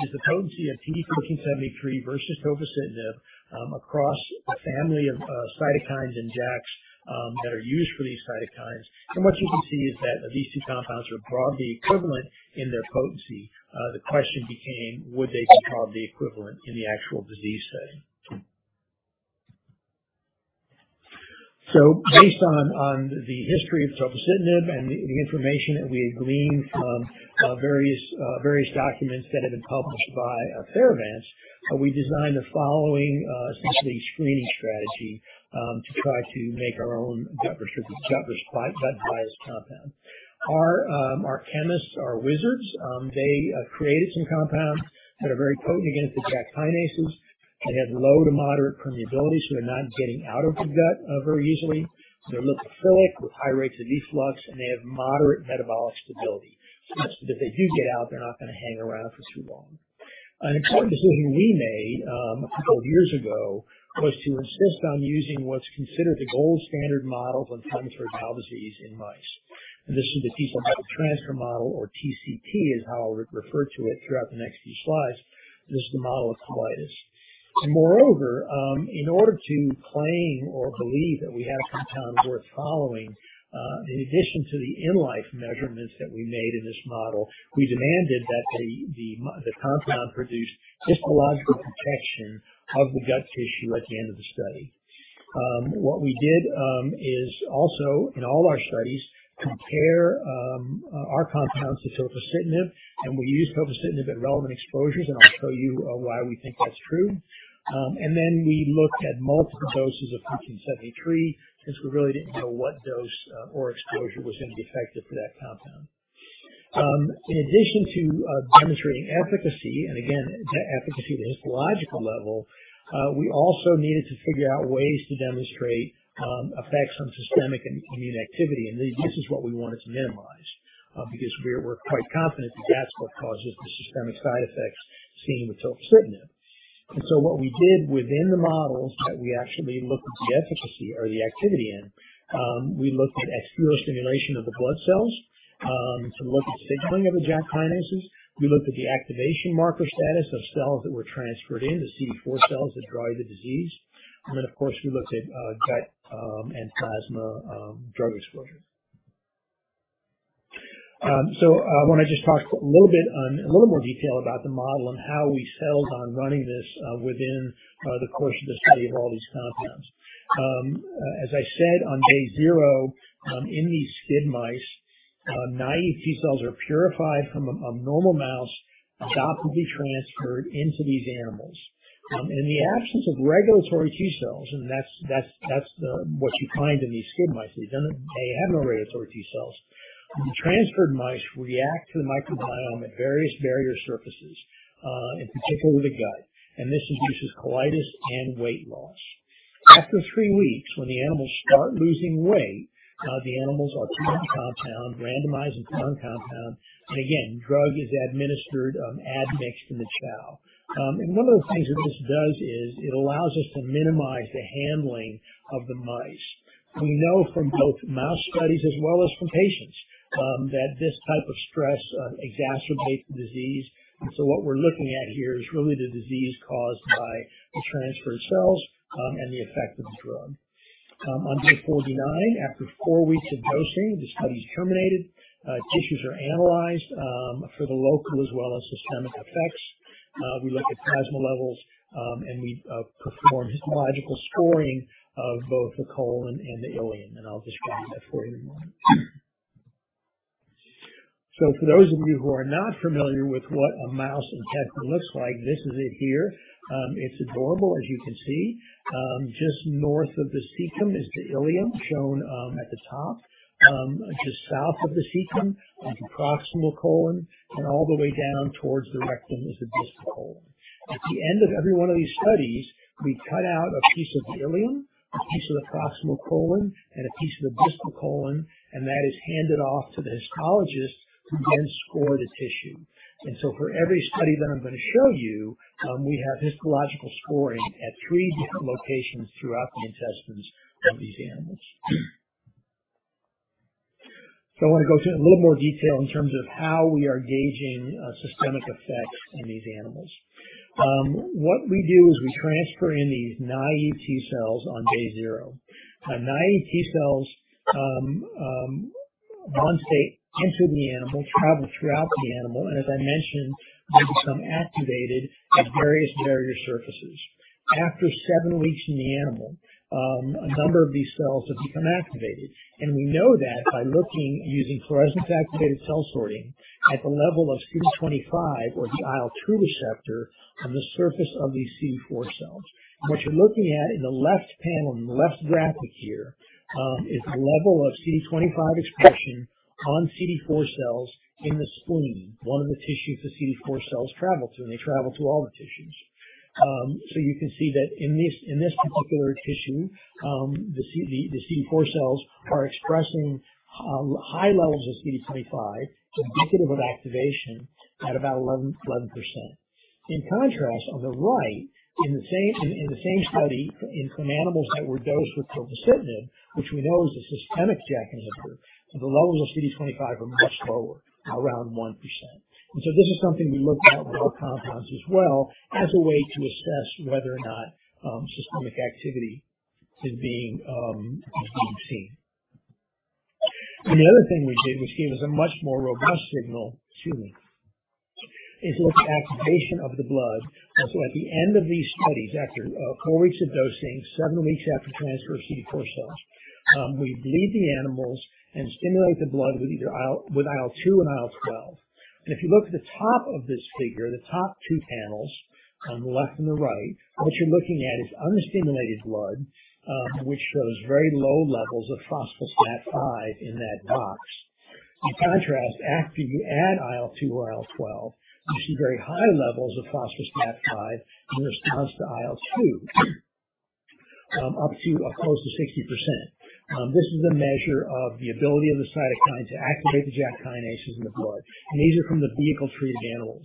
is the potency of TD-1473 versus tofacitinib across the family of cytokines and JAKs that are used for these cytokines. What you can see is that these two compounds are broadly equivalent in their potency. The question became, would they be broadly equivalent in the actual disease setting? Based on the history of tofacitinib and the information that we had gleaned from various documents that have been published by Theravance Biopharma, we designed the following essentially screening strategy to try to make our own gut-biased compound. Our chemists are wizards. They created some compounds that are very potent against the JAK kinases. They have low to moderate permeability, so they're not getting out of the gut very easily. They're lipophilic with high rates of efflux, and they have moderate metabolic stability, so much that if they do get out, they're not gonna hang around for too long. An important decision we made, a couple years ago was to insist on using what's considered the gold standard model of inflammatory bowel disease in mice. This is the T cell transfer model, or TCT is how I'll refer to it throughout the next few slides. This is the model of colitis. In order to claim or believe that we have compounds worth following, in addition to the in-life measurements that we made in this model, we demanded that the compound produced histological protection of the gut tissue at the end of the study. What we did is also, in all our studies, compare our compounds to tofacitinib, and we used tofacitinib at relevant exposures, and I'll show you why we think that's true. We looked at multiple doses of TD-1473 since we really didn't know what dose or exposure was going to be effective for that compound. In addition to demonstrating efficacy, and again, the efficacy at the histological level, we also needed to figure out ways to demonstrate effects on systemic immune activity. This is what we wanted to minimize because we're quite confident that that's what causes the systemic side effects seen with tofacitinib. What we did within the models that we actually looked at the efficacy or the activity in, we looked at ex vivo stimulation of the blood cells to look at signaling of the JAK kinases. We looked at the activation marker status of cells that were transferred in, the CD4 cells that drive the disease. Of course, we looked at gut and plasma drug exposures. I wanna just talk a little bit on a little more detail about the model and how we settled on running this within the course of the study of all these compounds. As I said, on day zero, in these SCID mice, naive T cells are purified from a normal mouse adopted to be transferred into these animals. In the absence of regulatory T cells, and that's what you find in these SCID mice. They have no regulatory T cells. The transferred mice react to the microbiome at various barrier surfaces, in particular the gut, and this induces colitis and weight loss. After three weeks, when the animals start losing weight, the animals are treated with compound, randomized and fed compound. Again, drug is administered admixed in the chow. One of the things that this does is it allows us to minimize the handling of the mice. We know from both mouse studies as well as from patients that this type of stress exacerbates the disease. What we're looking at here is really the disease caused by the transferred cells and the effect of the drug. On day 49, after four weeks of dosing, the study's terminated. Tissues are analyzed for the local as well as systemic effects. We look at plasma levels and we perform histological scoring of both the colon and the ileum, and I'll describe that for you in a moment. For those of you who are not familiar with what a mouse intestine looks like, this is it here. It's adorable, as you can see. Just north of the cecum is the ileum, shown at the top. Just south of the cecum is the proximal colon, and all the way down towards the rectum is the distal colon. At the end of every one of these studies, we cut out a piece of the ileum, a piece of the proximal colon, and a piece of the distal colon, and that is handed off to the histologist who then scored the tissue. For every study that I'm gonna show you, we have histological scoring at three different locations throughout the intestines of these animals. I want to go through a little more detail in terms of how we are gauging systemic effects in these animals. What we do is we transfer in these naive T cells on day zero. Now, naive T cells once they enter the animal, travel throughout the animal, and as I mentioned, they become activated at various barrier surfaces. After seven weeks in the animal, a number of these cells have become activated. We know that by looking using fluorescence activated cell sorting at the level of CD25 or the IL-2 receptor on the surface of these CD4 cells. What you're looking at in the left panel, in the left graphic here, is the level of CD25 expression on CD4 cells in the spleen, one of the tissues the CD4 cells travel to, and they travel to all the tissues. You can see that in this, in this particular tissue, the CD4 cells are expressing high levels of CD25, indicative of activation at about 11%. In contrast, on the right, in the same study from animals that were dosed with tofacitinib, which we know is a systemic JAK inhibitor, the levels of CD25 are much lower, around 1%. This is something we looked at with our compounds as well as a way to assess whether or not systemic activity is being seen. The other thing we did, which gave us a much more robust signal to me, is look at activation of the blood. At the end of these studies, after four weeks of dosing, seven weeks after transfer of CD4 cells, we bleed the animals and stimulate the blood with either IL-2 and IL-12. If you look at the top of this figure, the top two panels on the left and the right, what you're looking at is unstimulated blood, which shows very low levels of phospho-STAT5 in that box. In contrast, after you add IL-2 or IL-12, you see very high levels of phospho-STAT5 in response to IL-2, up to close to 60%. This is a measure of the ability of the cytokine to activate the JAK kinases in the blood. These are from the vehicle-treated animals.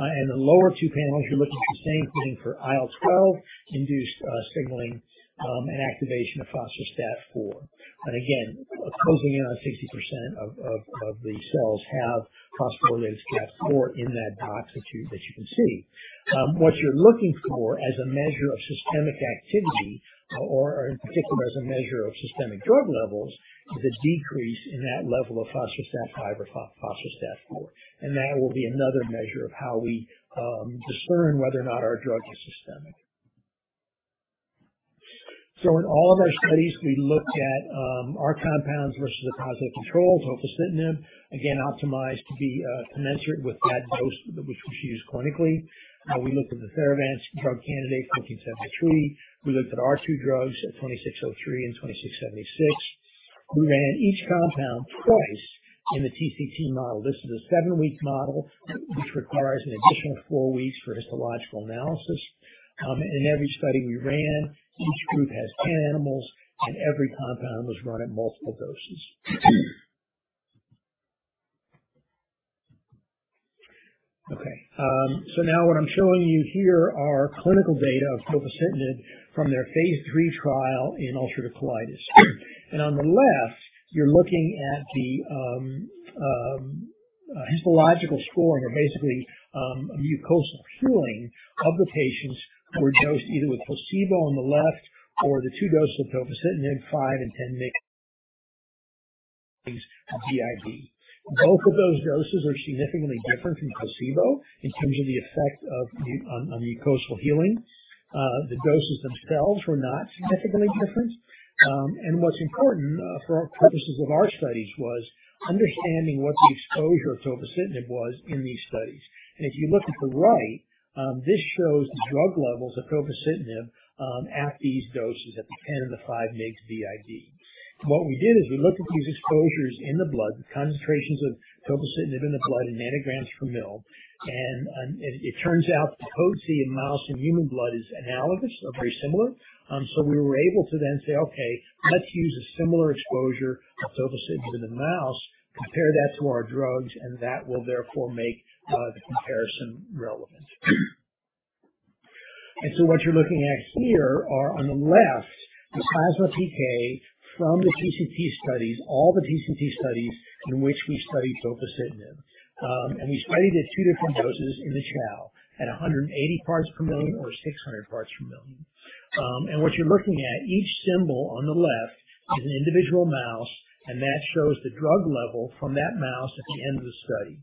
The lower two panels, you're looking at the same thing for IL-12-induced signaling and activation of phospho-STAT4. Again, closing in on 60% of the cells have phosphorylated STAT4 in that box that you can see. What you're looking for as a measure of systemic activity or in particular as a measure of systemic drug levels is a decrease in that level of phospho-STAT5 or phospho-STAT4. That will be another measure of how we discern whether or not our drug is systemic. In all of our studies, we looked at our compounds versus the positive controls, tofacitinib. Again, optimized to be commensurate with that dose which we use clinically. We looked at the Theravance drug candidate, TD-1473. We looked at our two drugs, CDD-2603 and CDD-2676. We ran each compound twice in the TCT model. This is a 7-week model which requires an additional four weeks for histological analysis. In every study we ran, each group has 10 animals, and every compound was run at multiple doses. Now what I'm showing you here are clinical data of tofacitinib from their phase III trial in ulcerative colitis. On the left, you're looking at the histological scoring or basically mucosal healing of the patients who were dosed either with placebo on the left or the two doses of tofacitinib, 5 mg BID and 10 mg BID. Both of those doses are significantly different from placebo in terms of the effect on mucosal healing. The doses themselves were not significantly different. What's important for purposes of our studies was understanding what the exposure of tofacitinib was in these studies. If you look at the right, this shows the drug levels of tofacitinib at these doses at the 10 mg BID and the 5 mg BID. What we did is we looked at these exposures in the blood, the concentrations of tofacitinib in the blood in nanograms per mL, and it turns out the potency in mouse and human blood is analogous. They're very similar. We were able to then say, "Okay, let's use a similar exposure of tofacitinib in the mouse, compare that to our drugs, and that will therefore make the comparison relevant." What you're looking at here are on the left, the plasma PK from the TCT studies, all the TCT studies in which we studied tofacitinib. We studied it at two different doses in the chow at 180 ppm or 600 ppm. What you're looking at, each symbol on the left is an individual mouse, and that shows the drug level from that mouse at the end of the study.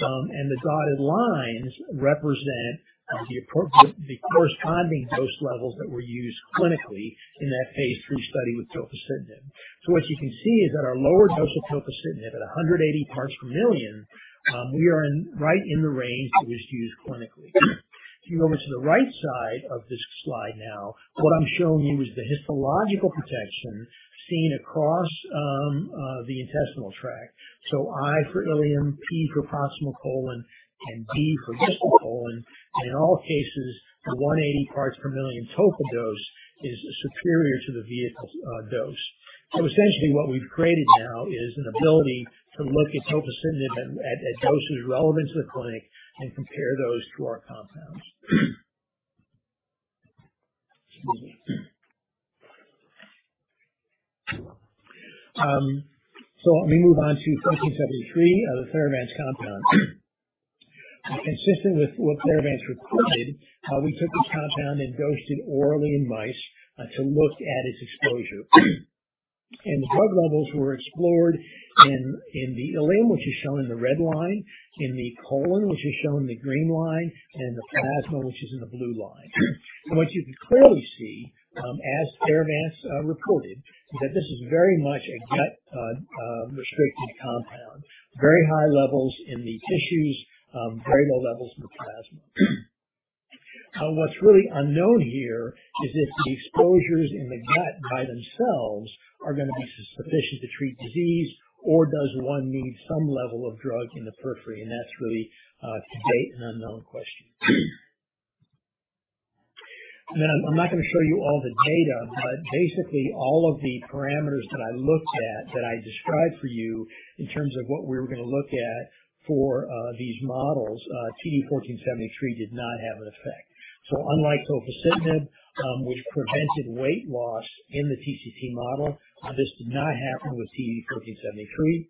The dotted lines represent the corresponding dose levels that were used clinically in that phase III study with tofacitinib. What you can see is that our lower dose of tofacitinib at 180 ppm, we are right in the range that was used clinically. If you go over to the right side of this slide now, what I'm showing you is the histological protection seen across the intestinal tract. I for ileum, P for proximal colon, and D for distal colon. In all cases, the 180 ppm tofa dose is superior to the vehicle dose. Essentially, what we've created now is an ability to look at tofacitinib at doses relevant to the clinic and compare those to our compounds. Let me move on to TD-1473, the Theravance compound. Consistent with what Theravance reported, we took this compound and dosed it orally in mice to look at its exposure. The blood levels were explored in the ileum, which is shown in the red line, in the colon, which is shown in the green line, and in the plasma, which is in the blue line. What you can clearly see, as Theravance reported, is that this is very much a gut restricted compound. Very high levels in the tissues, very low levels in the plasma. What's really unknown here is if the exposures in the gut by themselves are gonna be sufficient to treat disease, or does one need some level of drug in the periphery? That's really, to date, an unknown question. Now, I'm not gonna show you all the data, but basically, all of the parameters that I looked at, that I described for you in terms of what we were gonna look at for these models, TD-1473 did not have an effect. Unlike tofacitinib, which prevented weight loss in the TCT model, this did not happen with TD-1473.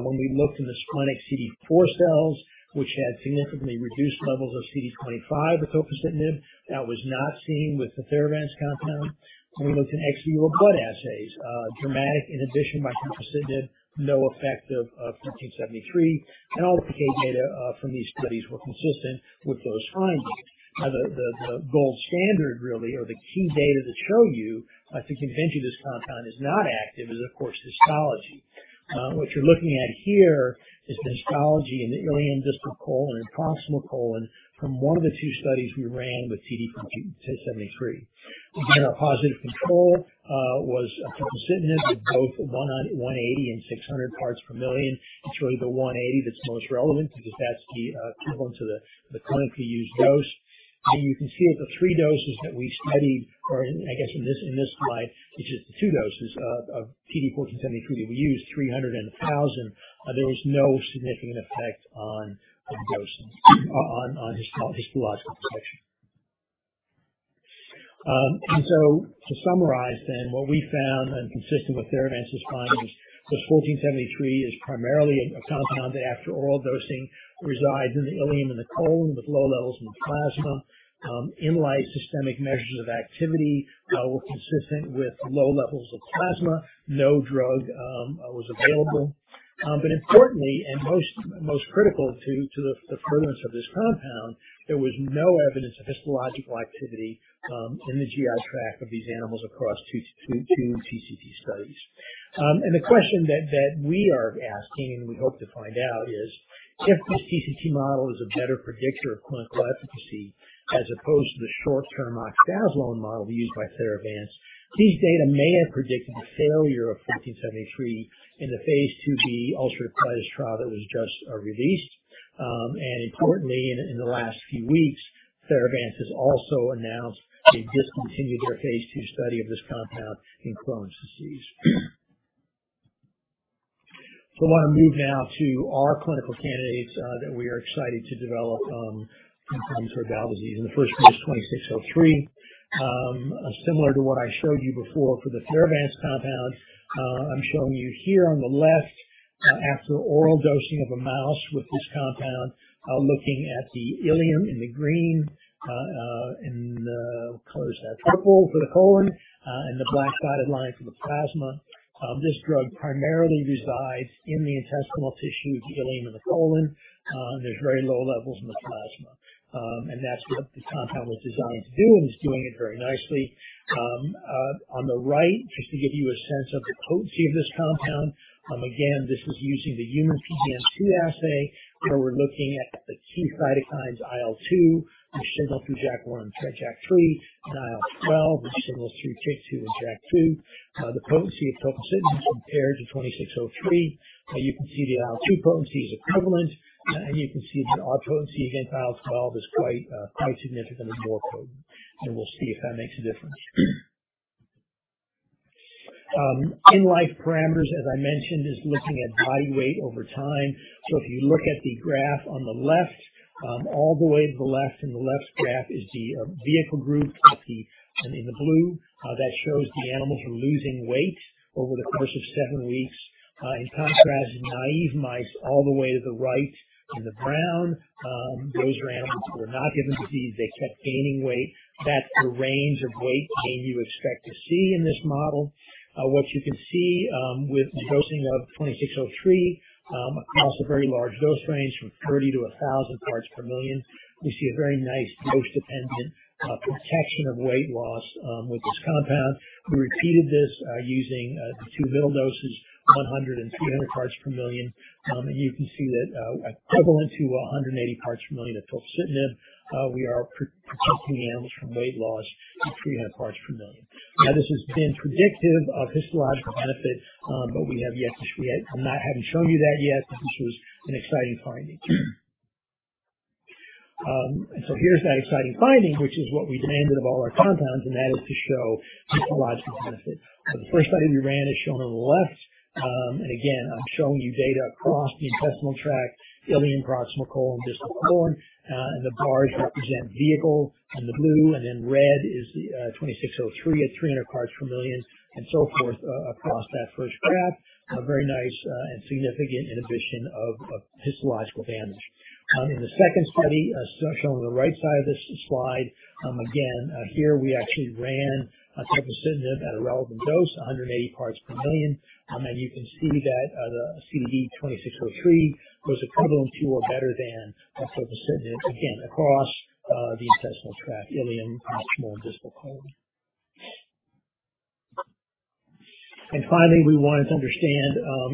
When we looked in the splenic CD4 cells, which had significantly reduced levels of CD25 with tofacitinib, that was not seen with the Theravance compound. When we looked in ex vivo blood assays, dramatic inhibition by tofacitinib, no effect of TD-1473, and all the PK data from these studies were consistent with those findings. The gold standard really or the key data that show you to convince you this compound is not active is, of course, histology. What you're looking at here is the histology in the ileum, distal colon and proximal colon from one of the two studies we ran with TD-1473. Again, our positive control was tofacitinib with both 180 ppm and 600 ppm. It's really the 180 that's most relevant because that's the equivalent to the clinically used dose. You can see that the three doses that we studied, or I guess in this slide, it's just the two doses of TD-1473 that we used, 300 and 1,000, there was no significant effect on histological protection. To summarize then, what we found, and consistent with Theravance's findings, this TD-1473 is primarily a compound after oral dosing resides in the ileum and the colon, with low levels in the plasma. In-life systemic measures of activity were consistent with low levels in plasma. No drug was available. Importantly and most critical to the furtherance of this compound, there was no evidence of histological activity in the GI tract of these animals across two TCT studies. The question that we are asking, and we hope to find out is, if this TCT model is a better predictor of clinical efficacy as opposed to the short-term oxazolone model used by Theravance, these data may have predicted the failure of TD-1473 in the phase II-B ulcerative colitis trial that was just released. Importantly, in the last few weeks, Theravance has also announced they've discontinued their phase II study of this compound in Crohn's disease. I want to move now to our clinical candidates that we are excited to develop in terms of bowel disease, and the first one is 2603. Similar to what I showed you before for the Theravance compound, I'm showing you here on the left, after oral dosing of a mouse with this compound, looking at the ileum in the green, and what color is that? Purple for the colon, and the black dotted line for the plasma. This drug primarily resides in the intestinal tissue, the ileum and the colon. There's very low levels in the plasma. That's what the compound was designed to do, and it's doing it very nicely. On the right, just to give you a sense of the potency of this compound, again, this is using the human PBMC assay, where we're looking at the two cytokines, IL-2, which signals through JAK1 and JAK3, and IL-12, which signals through JAK2. The potency of tofacitinib compared to 2603, you can see the IL-2 potency is equivalent, and you can see that our potency against IL-12 is quite significantly more potent, and we'll see if that makes a difference. In life parameters, as I mentioned, is looking at body weight over time. If you look at the graph on the left, all the way to the left in the left graph is the vehicle group. In the blue, that shows the animals are losing weight over the course of seven weeks. In contrast, naive mice all the way to the right in the brown, those are animals that are not given disease. They kept gaining weight. That's the range of weight gain you expect to see in this model. What you can see, with the dosing of 2603, across a very large dose range from 30 ppm-1000 ppm, we see a very nice dose-dependent protection of weight loss with this compound. We repeated this using the 200 doses, 100 ppm and 300 ppm. You can see that, equivalent to 180 ppm of tofacitinib, we are protecting the animals from weight loss at 300 ppm. This has been predictive of histological benefit, but I haven't shown you that yet, but this was an exciting finding. Here's that exciting finding, which is what we demanded of all our compounds, and that is to show histological benefit. The first study we ran is shown on the left. Again, I'm showing you data across the intestinal tract, ileum, proximal colon, distal colon. The bars represent vehicle in blue, and then red is CDD-2603 at 300 ppm and so forth across that first graph. A very nice and significant inhibition of histological damage. In the second study, shown on the right side of this slide, again, here we actually ran tofacitinib at a relevant dose, 180 ppm. And you can see that the CDD-2603 was equivalent to or better than tofacitinib, again, across the intestinal tract, ileum, proximal, and distal colon. Finally, we wanted to understand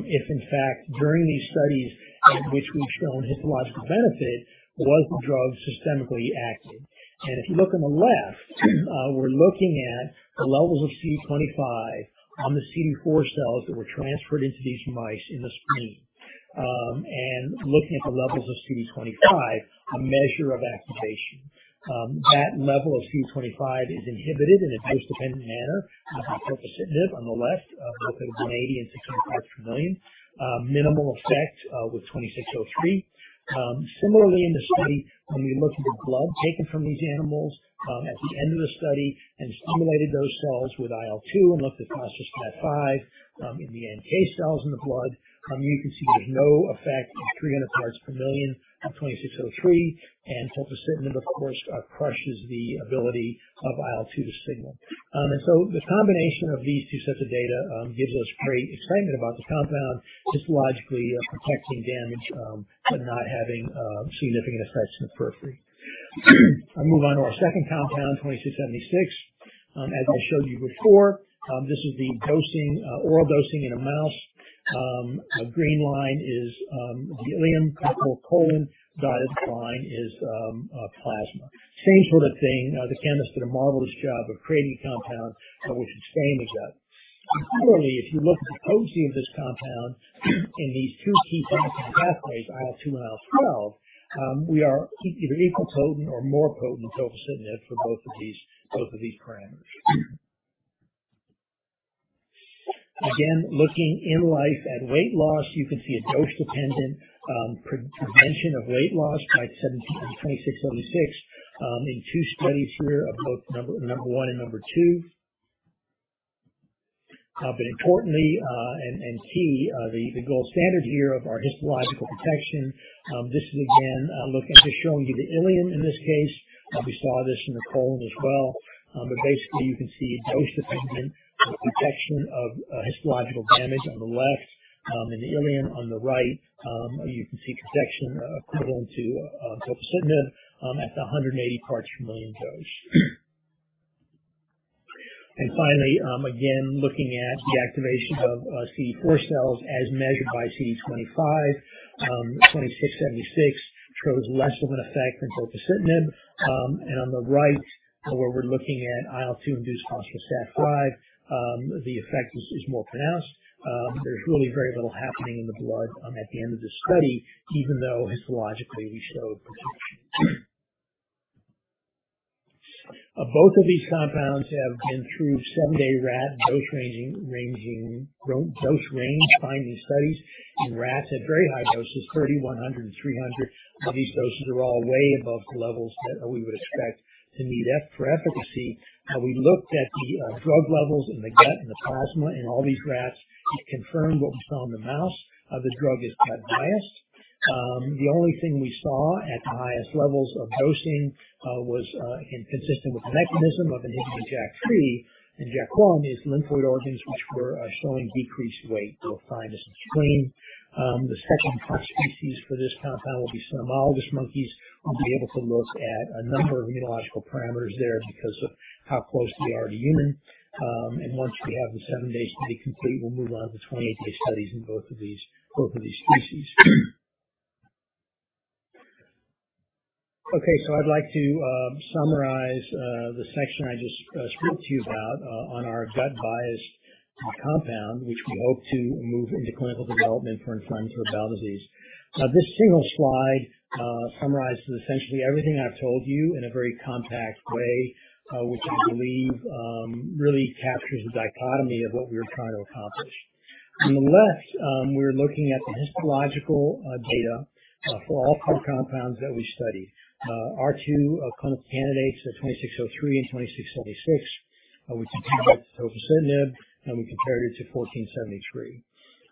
if in fact during these studies at which we've shown histological benefit, was the drug systemically active? If you look on the left, we're looking at the levels of CD25 on the CD4 cells that were transferred into these mice in the spleen. Looking at the levels of CD25, a measure of activation. That level of CD25 is inhibited in a dose-dependent manner by tofacitinib on the left, both at 180 ppm and 600 ppm. Minimal effect with 2603. Similarly in the study, when we looked at the blood taken from these animals at the end of the study and stimulated those cells with IL-2 and looked at phospho-STAT5 in the NK cells in the blood, you can see there's no effect at 300 ppm in 2603. Tofacitinib, of course, crushes the ability of IL-2 to signal. The combination of these two sets of data gives us great excitement about the compound histologically protecting damage but not having significant effects in the periphery. I'll move on to our second compound, 2676. As I showed you before, this is the oral dosing in a mouse. The green line is the ileum, proximal colon, dotted line is plasma. Same sort of thing. The chemist did a marvelous job of creating a compound that shows selective exposure. Similarly, if you look at the potency of this compound in these two key cytokine pathways, IL-2 and IL-12, we are either equally potent or more potent than tofacitinib for both of these parameters. Again, looking in vivo at weight loss, you can see a dose-dependent prevention of weight loss by CDD-2676 in two studies here of both number one and number two. Importantly, the gold standard here of our histological protection, this is again just showing you the ileum in this case. We saw this in the colon as well. Basically you can see dose-dependent protection of histological damage on the left, in the ileum on the right. You can see protection equivalent to tofacitinib at the 180 ppm dose. Finally, again, looking at the activation of CD4 cells as measured by CD25. CDD-2676 shows less of an effect than tofacitinib. On the right where we're looking at IL-2-induced phospho-STAT5, the effect is more pronounced. There's really very little happening in the blood at the end of this study, even though histologically we showed protection. Both of these compounds have been through seven-day rat dose ranging, dose range finding studies in rats at very high doses, 30 ppm, 100 ppm and 300 ppm. These doses are all way above the levels that we would expect to need for efficacy. We looked at the drug levels in the gut and the plasma in all these rats. It confirmed what we saw in the mouse. The drug is gut-biased. The only thing we saw at the highest levels of dosing was consistent with the mechanism of inhibiting JAK3 and JAK1 is lymphoid organs, which were showing decreased weight. We'll find this in spleen. The second test species for this compound will be cynomolgus monkeys. We'll be able to look at a number of immunological parameters there because of how close we are to human. Once we have the 7-day study complete, we'll move on to 28-day studies in both of these species. Okay, I'd like to summarize the section I just spoke to you about on our gut-biased compound, which we hope to move into clinical development for inflammatory bowel disease. This single slide summarizes essentially everything I've told you in a very compact way, which I believe really captures the dichotomy of what we're trying to accomplish. On the left, we're looking at the histological data for all compounds that we studied. Our two clinical candidates are 2603 and 2676. We compared that to tofacitinib, and we compared it to 1473.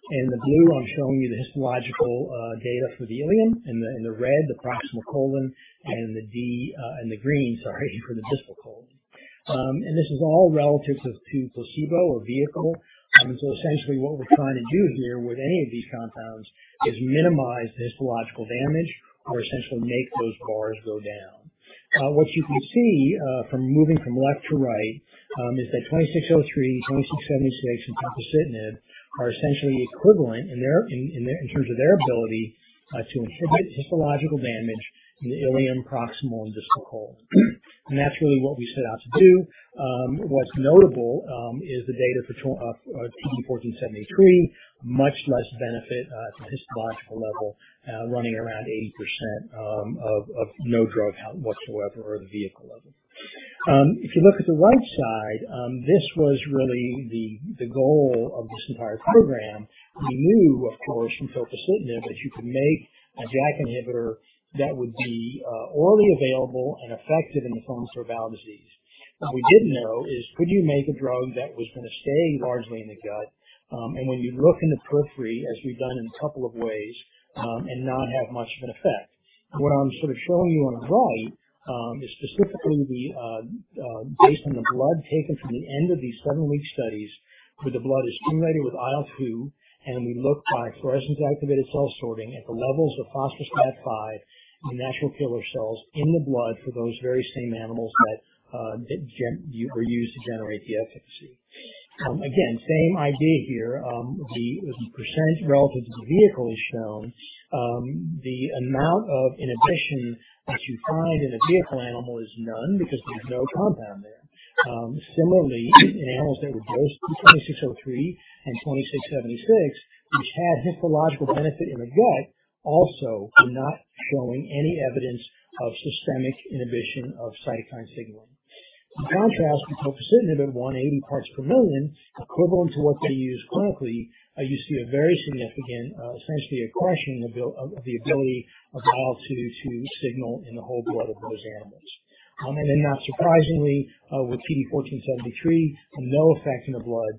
In the blue, I'm showing you the histological data for the ileum, in the red, the proximal colon, and in the green, sorry, for the distal colon. This is all relative to placebo or vehicle. Essentially what we're trying to do here with any of these compounds is minimize the histological damage or essentially make those bars go down. What you can see from moving from left to right is that CDD-2603, CDD-2676 and tofacitinib are essentially equivalent in terms of their ability to inhibit histological damage in the ileum, proximal and distal colon. That's really what we set out to do. What's notable is the data for TD-1473, much less benefit at the histological level, running around 80% of no drug whatsoever or the vehicle level. If you look at the right side, this was really the goal of this entire program. We knew, of course, from tofacitinib that you could make a JAK inhibitor that would be orally available and effective in inflammatory bowel disease. What we didn't know is could you make a drug that was going to stay largely in the gut, and when you look in the periphery, as we've done in a couple of ways, and not have much of an effect. What I'm sort of showing you on the right is specifically the based on the blood taken from the end of these seven-week studies, where the blood is pre-loaded with IL-2, and we look by fluorescence activated cell sorting at the levels of phospho-STAT5 in natural killer cells in the blood for those very same animals that were used to generate the efficacy. Again, same idea here. The percent relative to the vehicle is shown. The amount of inhibition that you find in a vehicle animal is none because there's no compound there. Similarly in animals that were dosed in CDD-2603 and CDD-2676, which had histological benefit in the gut also were not showing any evidence of systemic inhibition of cytokine signaling. In contrast to tofacitinib at 180 ppm, equivalent to what they use clinically, you see a very significant, essentially a crushing of the ability of IL-2 to signal in the whole blood of those animals. Not surprisingly, with TD-1473, no effect in the blood.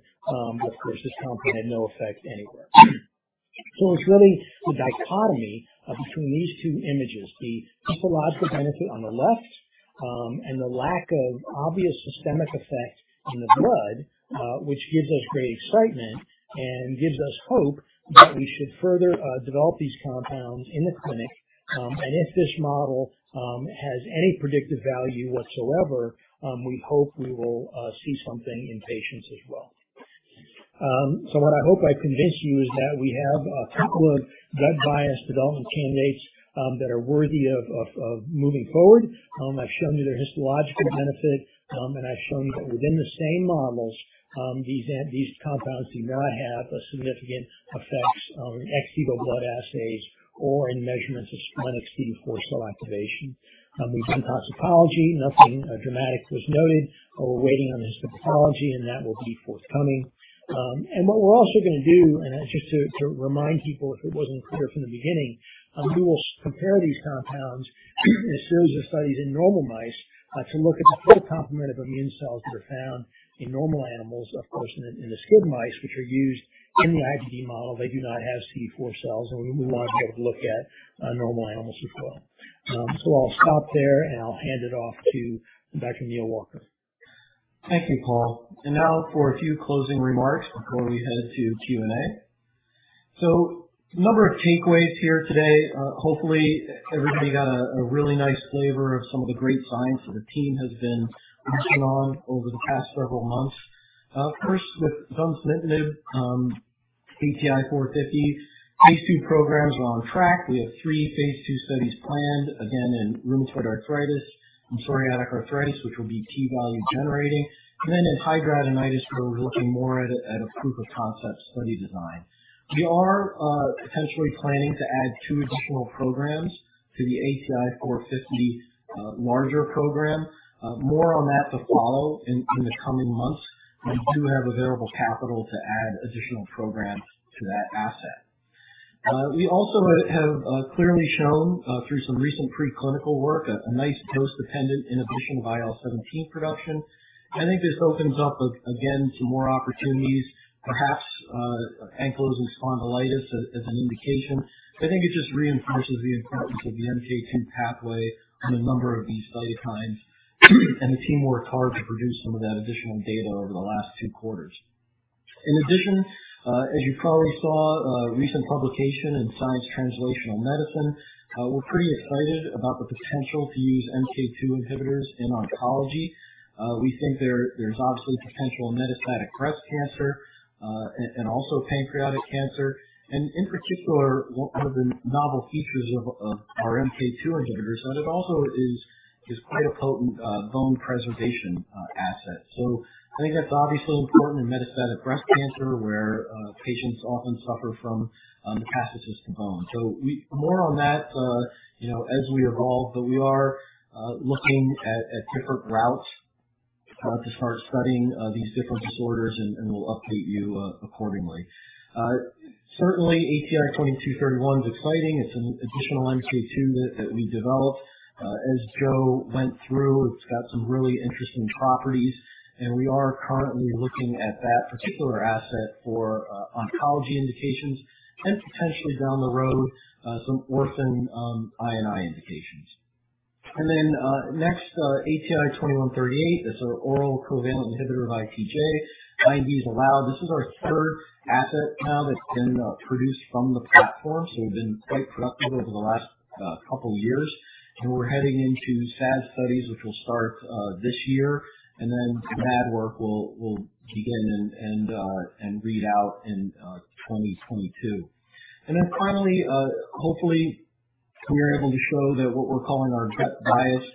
Of course, this compound had no effect anywhere. It's really the dichotomy between these two images, the histological benefit on the left, and the lack of obvious systemic effect in the blood, which gives us great excitement and gives us hope that we should further develop these compounds in the clinic. If this model has any predictive value whatsoever, we hope we will see something in patients as well. What I hope I convinced you is that we have a couple of gut-biased development candidates that are worthy of moving forward. I've shown you their histological benefit, and I've shown you that within the same models, these compounds do not have a significant effects on ex vivo blood assays or in measurements of splenic CD4 cell activation. We've done toxicology, nothing dramatic was noted. We're waiting on histopathology, and that will be forthcoming. What we're also gonna do, just to remind people, if it wasn't clear from the beginning, we will compare these compounds in a series of studies in normal mice to look at the full complement of immune cells that are found in normal animals. Of course, in the SCID mice which are used in the IBD model, they do not have CD4 cells, and we want to be able to look at normal animals as well. I'll stop there, and I'll hand it off to Dr. Neal Walker. Thank you, Paul. Now for a few closing remarks before we head to Q&A. A number of takeaways here today. Hopefully everybody got a really nice flavor of some of the great science that the team has been working on over the past several months. First with tofacitinib, ATI-450. These two programs are on track. We have three phase II studies planned, again, in rheumatoid arthritis and psoriatic arthritis, which will be key value generating. Then in hidradenitis, where we're looking more at a proof of concept study design. We are potentially planning to add two additional programs to the ATI-450 larger program. More on that to follow in the coming months. We do have available capital to add additional programs to that asset. We also have clearly shown through some recent preclinical work a nice dose-dependent inhibition of IL-17 production. I think this opens up to more opportunities, perhaps, ankylosing spondylitis as an indication. I think it just reinforces the importance of the MK-2 pathway on a number of these cytokines, and the team worked hard to produce some of that additional data over the last two quarters. In addition, as you probably saw, recent publication in Science Translational Medicine, we're pretty excited about the potential to use MK-2 inhibitors in oncology. We think there's obviously potential in metastatic breast cancer and also pancreatic cancer. In particular, one of the novel features of our MK-2 inhibitors, that it also is quite a potent bone preservation asset. I think that's obviously important in metastatic breast cancer, where patients often suffer from metastasis to bone. More on that, you know, as we evolve, but we are looking at different routes to start studying these different disorders and we'll update you accordingly. Certainly ATI-2231 is exciting. It's an additional MK2 that we developed. As Joe went through, it's got some really interesting properties, and we are currently looking at that particular asset for oncology indications and potentially down the road some orphan I and I indications. Next, ATI-2138 is our oral covalent inhibitor of ITK. IND is allowed. This is our third asset now that's been produced from the platform, so we've been quite productive over the last couple years. We're heading into SAD studies, which will start this year. The MAD work will begin and read out in 2022. Hopefully we are able to show that what we're calling our gut-biased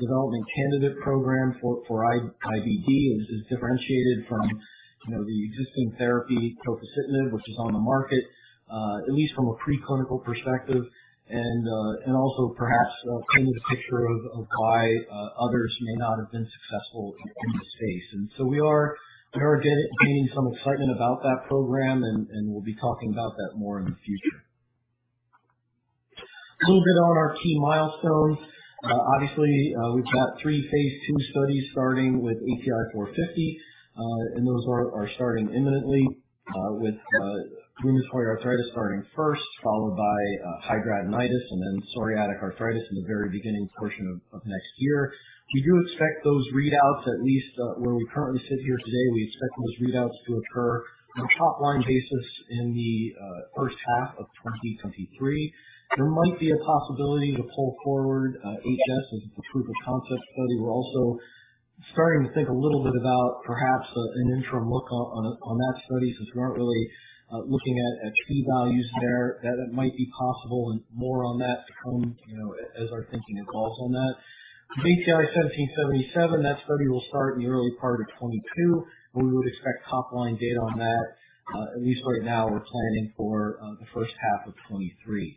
development candidate program for IBD is differentiated from, you know, the existing therapy tofacitinib, which is on the market. At least from a preclinical perspective and also perhaps paint a picture of why others may not have been successful in the space. We are gaining some excitement about that program and we'll be talking about that more in the future. A little bit on our key milestones. Obviously, we've got three phase II studies starting with ATI-450, and those are starting imminently, with rheumatoid arthritis starting first, followed by hidradenitis and then psoriatic arthritis in the very beginning portion of next year. We do expect those readouts, at least, where we currently sit here today, we expect those readouts to occur on a top-line basis in the first half of 2023. There might be a possibility to pull forward HS as a proof of concept study. We're also starting to think a little bit about perhaps an interim look on that study since we aren't really looking at key values there, that it might be possible and more on that to come, you know, as our thinking evolves on that. ATI-1777, that study will start in the early part of 2022, and we would expect top-line data on that, at least right now we're planning for the first half of 2023.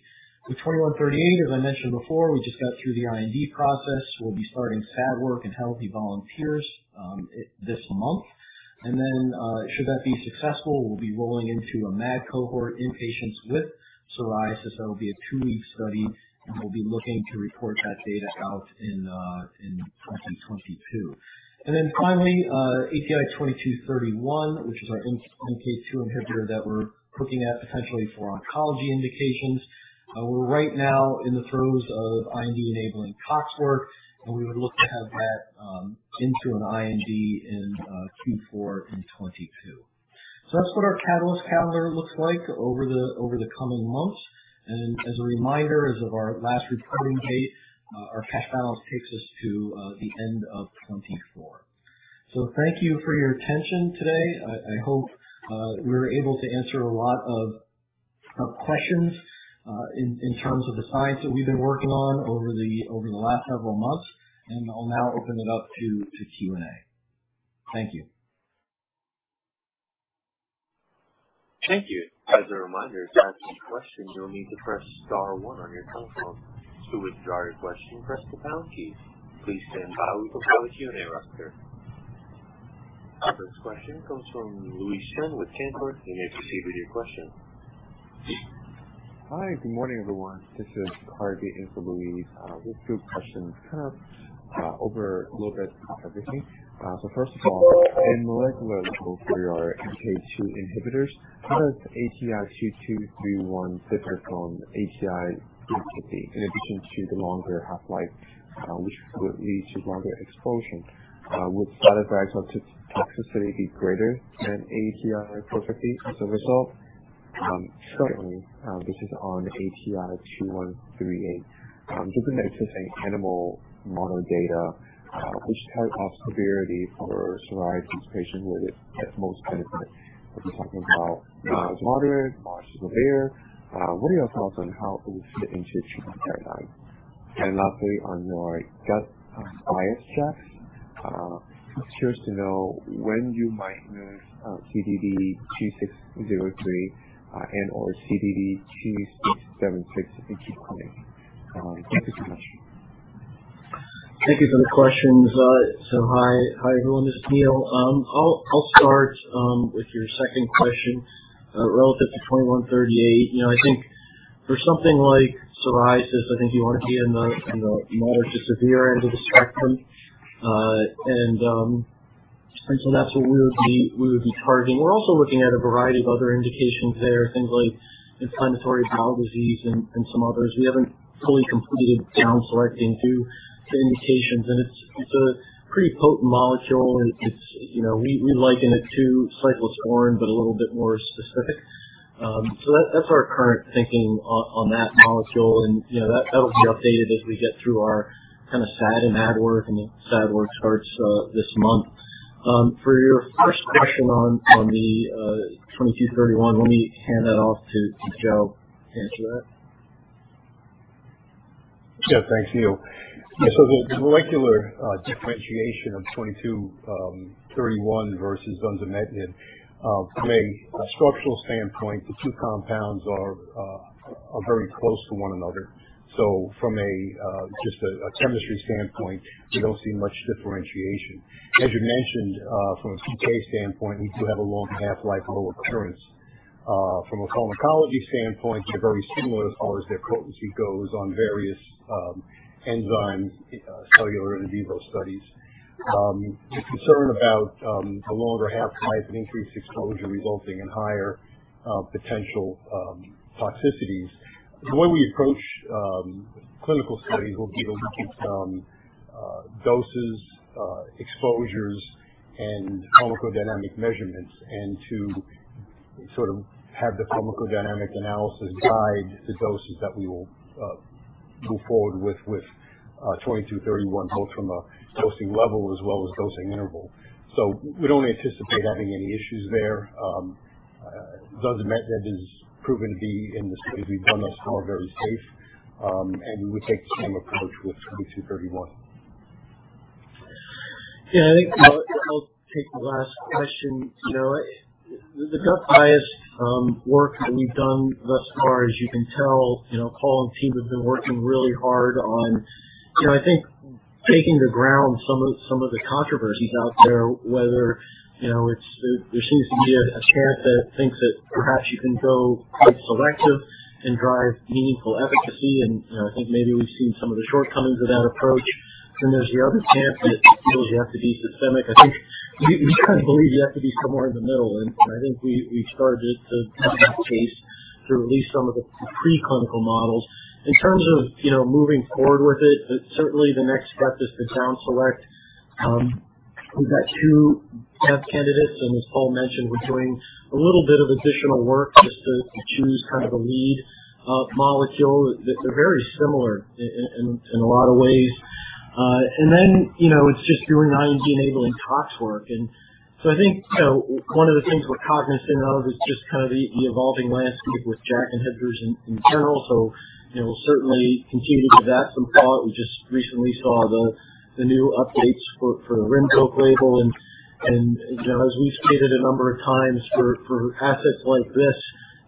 With ATI-2138, as I mentioned before, we just got through the IND process. We'll be starting SAD work in healthy volunteers this month. Should that be successful, we'll be rolling into a MAD cohort in patients with psoriasis. That will be a two-week study, and we'll be looking to report that data out in 2022. ATI-2231, which is our MK2 inhibitor that we're looking at potentially for oncology indications. We're right now in the throes of IND-enabling tox work, and we would look to have that into an IND in Q4 2022. That's what our catalyst calendar looks like over the coming months. As a reminder, as of our last reporting date, our cash balance takes us to the end of 2024. Thank you for your attention today. I hope we were able to answer a lot of questions in terms of the science that we've been working on over the last several months, and I'll now open it up to Q&A. Thank you. Thank you. As a reminder, to ask a question, you'll need to press star one on your telephone. To withdraw your question, press the pound key. Please stand by. We will start with Q&A after. Our first question comes from Leland Gershell with Canaccord. You may proceed with your question. Hi, good morning, everyone. This is Harvey in for Leland Gershell with two questions, kind of, over a little bit of everything. First of all, in molecular level for your MK2 inhibitors, how does ATI-2231 differ from ATI-450 in addition to the longer half-life, which would lead to longer exposure? Would side effects or toxicity be greater than ATI-450 as a result? Secondly, this is on ATI-2138. Given that this is animal model data, which type of severity for psoriasis patient would it get most benefit? Are we talking about moderate, mild, severe? What are your thoughts on how it would fit into treatment paradigm? Lastly, on your gut bias checks, just curious to know when you might move CDD-2603 and/or CDD-2676 if you keep going. Thank you so much. Thank you for the questions. Hi. Hi, everyone. This is Neal. I'll start with your second question relative to 2138. You know, I think for something like psoriasis, I think you wanna be in the, you know, moderate to severe end of the spectrum. That's where we would be targeting. We're also looking at a variety of other indications there, things like inflammatory bowel disease and some others. We haven't fully completed down selecting to indications. It's a pretty potent molecule. It's, you know, we liken it to cyclosporin, but a little bit more specific. That's our current thinking on that molecule. You know, that would be updated as we get through our kinda SAD and AD work, and the SAD work starts this month. For your first question on the 2231, let me hand that off to Joe to answer that. Yeah. Thanks, Neal. Yeah. The molecular differentiation of 2231 versus zunsemetinib from a structural standpoint, the two compounds are very close to one another. From a chemistry standpoint, we don't see much differentiation. As you mentioned, from a PK standpoint, we do have a long half-life and low clearance. From a pharmacology standpoint, they're very similar as far as their potency goes on various enzyme cellular in vivo studies. The concern about a longer half-life and increased exposure resulting in higher potential toxicities. The way we approach clinical studies will be to look at doses, exposures, and pharmacodynamic measurements and to sort of have the pharmacodynamic analysis guide the doses that we will go forward with ATI-2231, both from a dosing level as well as dosing interval. We don't anticipate having any issues there. Zunsemetinib is proven to be, in the studies we've done thus far, very safe, and we take the same approach with ATI-2231. Yeah. I think I'll take the last question. You know, the gut bias work that we've done thus far, as you can tell, you know, Paul and team have been working really hard on taking the ground out of some of the controversies out there, whether you know there seems to be a camp that thinks that perhaps you can go quite selective and drive meaningful efficacy. You know, I think maybe we've seen some of the shortcomings of that approach. There's the other camp that feels you have to be systemic. I think we kind of believe you have to be somewhere in the middle, and I think we've started to make that case through at least some of the preclinical models. In terms of, you know, moving forward with it, certainly the next step is to down select. We've got two path candidates, and as Paul mentioned, we're doing a little bit of additional work just to choose kind of a lead molecule. They're very similar in a lot of ways. Then, you know, it's just doing IND enabling tox work. I think, you know, one of the things we're cognizant of is just kind of the evolving landscape with JAK inhibitors in general. You know, we'll certainly continue to give that some thought. We just recently saw the new updates for RINVOQ label. You know, as we've stated a number of times for assets like this,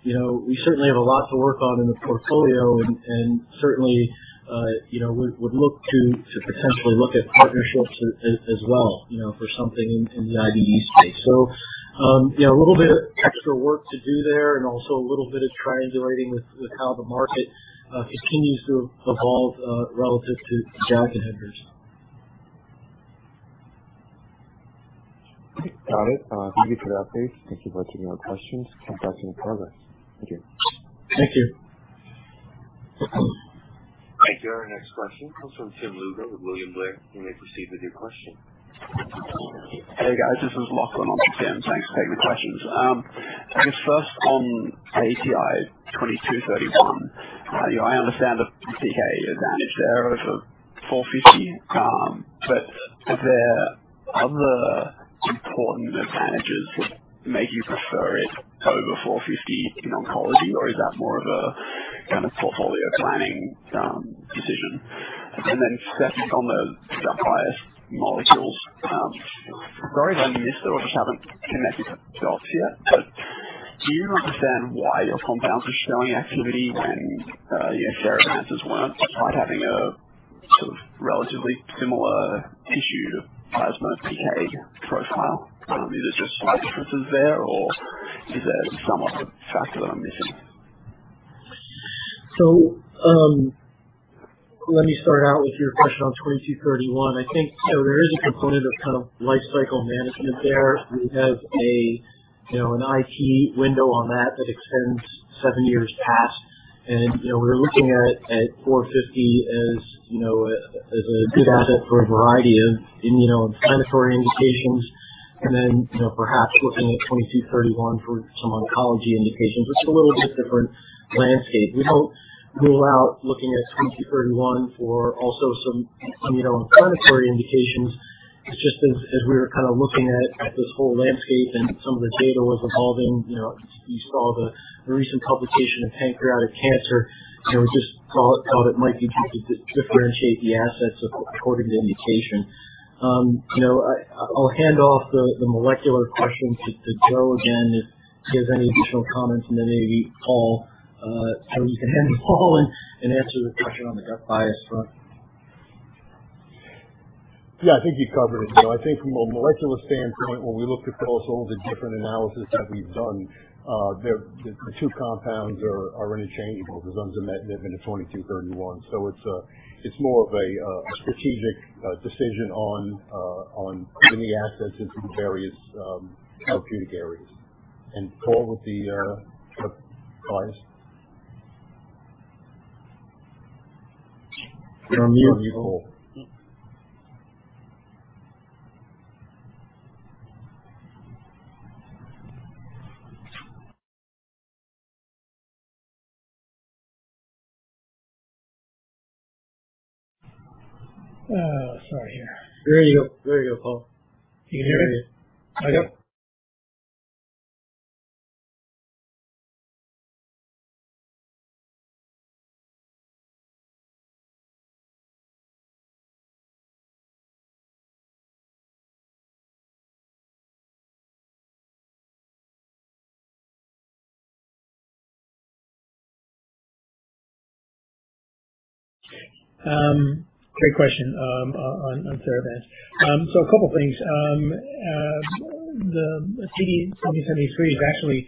you know, we certainly have a lot to work on in the portfolio and certainly would look to potentially look at partnerships as well, you know, for something in the IBD space. You know, a little bit of extra work to do there and also a little bit of triangulating with how the market continues to evolve relative to JAK inhibitors. Got it. Thank you for the update. Thank you both for taking our questions. Keep us in the progress. Thank you. Thank you. Thank you. Our next question comes from Tim Lugo with William Blair. You may proceed with your question. Hey, guys. This is Lachlan on Tim. Thanks for taking the questions. I guess first on ATI-2231. You know, I understand the MK advantage there over ATI-450. But are there other important advantages that make you prefer it over ATI-450 in oncology, or is that more of a kind of portfolio planning decision? Then second, on the gut bias molecules, sorry if I missed it or just haven't connected the dots yet, but do you understand why your compounds are showing activity when, you know, Theravance's weren't, despite having a sort of relatively similar tissue to plasma PK profile? Is it just slight differences there, or is there some other factor that I'm missing? Let me start out with your question on 2231. I think there is a component of kind of lifecycle management there. We have a, you know, an IP window on that that extends seven years past. You know, we're looking at ATI-450 as, you know, a good asset for a variety of immuno-inflammatory indications. Then, you know, perhaps looking at 2231 for some oncology indications. It's a little bit different landscape. We don't rule out looking at 2231 for also some immuno-inflammatory indications. It's just as we were kind of looking at this whole landscape and some of the data was evolving. You know, you saw the recent publication of pancreatic cancer. You know, we just thought it might be good to differentiate the assets according to indication. You know, I'll hand off the molecular question to Joe again, if he has any additional comments. Then maybe Paul, or you can hand to Paul and answer the question on the gut bias front. Yeah, I think you covered it, Joe. I think from a molecular standpoint, when we look across all the different analysis that we've done, the two compounds are interchangeable, the zunsemetinib and the 2231. So it's more of a strategic decision on putting the assets into the various therapeutic areas. Paul with the gut bias. We don't mute you, Paul. Oh, sorry. There you go, Paul. You can hear me? Yep. Great question, on Theravance. A couple things. The TD-1473 is actually,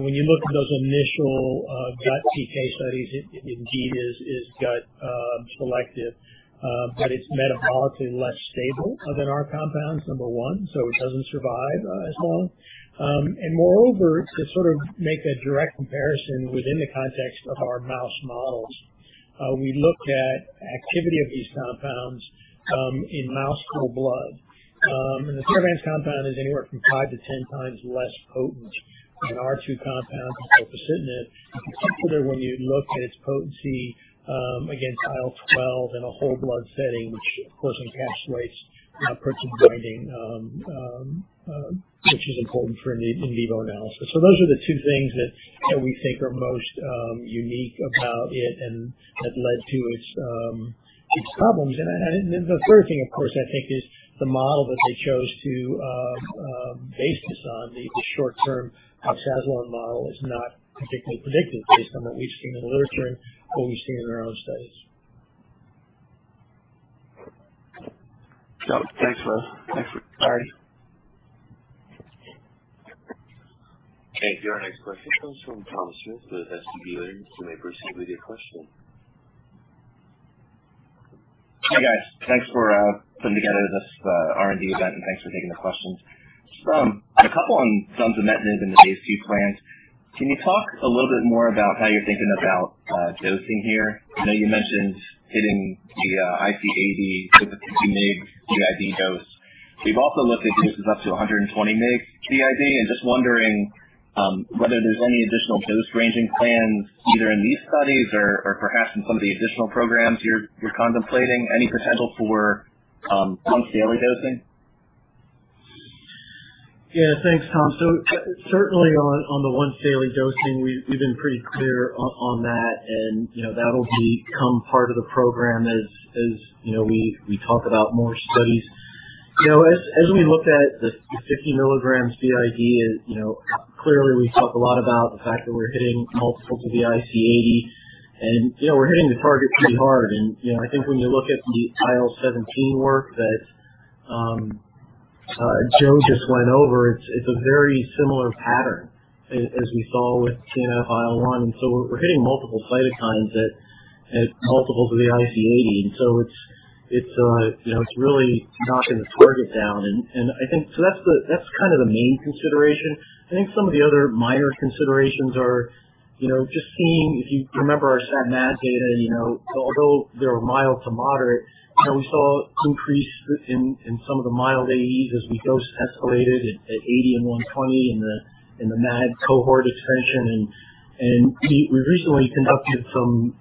when you look at those initial gut PK studies, it indeed is gut selective. It's metabolically less stable than our compounds, number one, so it doesn't survive as long. Moreover, to sort of make a direct comparison within the context of our mouse models, we looked at activity of these compounds in mouse whole blood. The Theravance compound is anywhere from 5x-10x less potent than our two compounds in the colitis. In particular, when you look at its potency against IL-12 in a whole blood setting, which of course encapsulates protein binding, which is important for an in vivo analysis. Those are the two things that we think are most unique about it and that led to its problems. The third thing, of course, I think is the model that they chose to base this on, the short-term oxazolone model, is not particularly predictive based on what we've seen in the literature and what we see in our own studies. Thanks for clarity. Okay. Your next question comes from Tom Shrader with BTIG. You may proceed with your question. Hi, guys. Thanks for putting together this R&D event, and thanks for taking the questions. I had a couple on zunsemetinib and the phase II plans. Can you talk a little bit more about how you're thinking about dosing here? I know you mentioned hitting the IC80 with a 50 mg QID dose. We've also looked at doses up to 120 mg QID and just wondering whether there's any additional dose ranging plans either in these studies or perhaps in some of the additional programs you're contemplating any potential for once daily dosing. Yeah. Thanks, Tom. Certainly on the once daily dosing, we've been pretty clear on that and, you know, that'll become part of the program as, you know, we talk about more studies. You know, as we look at the 50 mg QID, you know, clearly we talk a lot about the fact that we're hitting multiples of the IC80 and, you know, we're hitting the target pretty hard. I think when you look at the IL-17 work that Joe just went over, it's a very similar pattern as we saw with TNF IL-1. We're hitting multiple cytokines at multiples of the IC80. It's really knocking the target down. I think that's kind of the main consideration. I think some of the other minor considerations are, you know, just seeing if you remember our SAD/MAD data, you know, although they're mild to moderate. You know, we saw an increase in some of the mild AEs as we dose escalated at 80 mg and 120 mg in the MAD cohort extension. We recently conducted some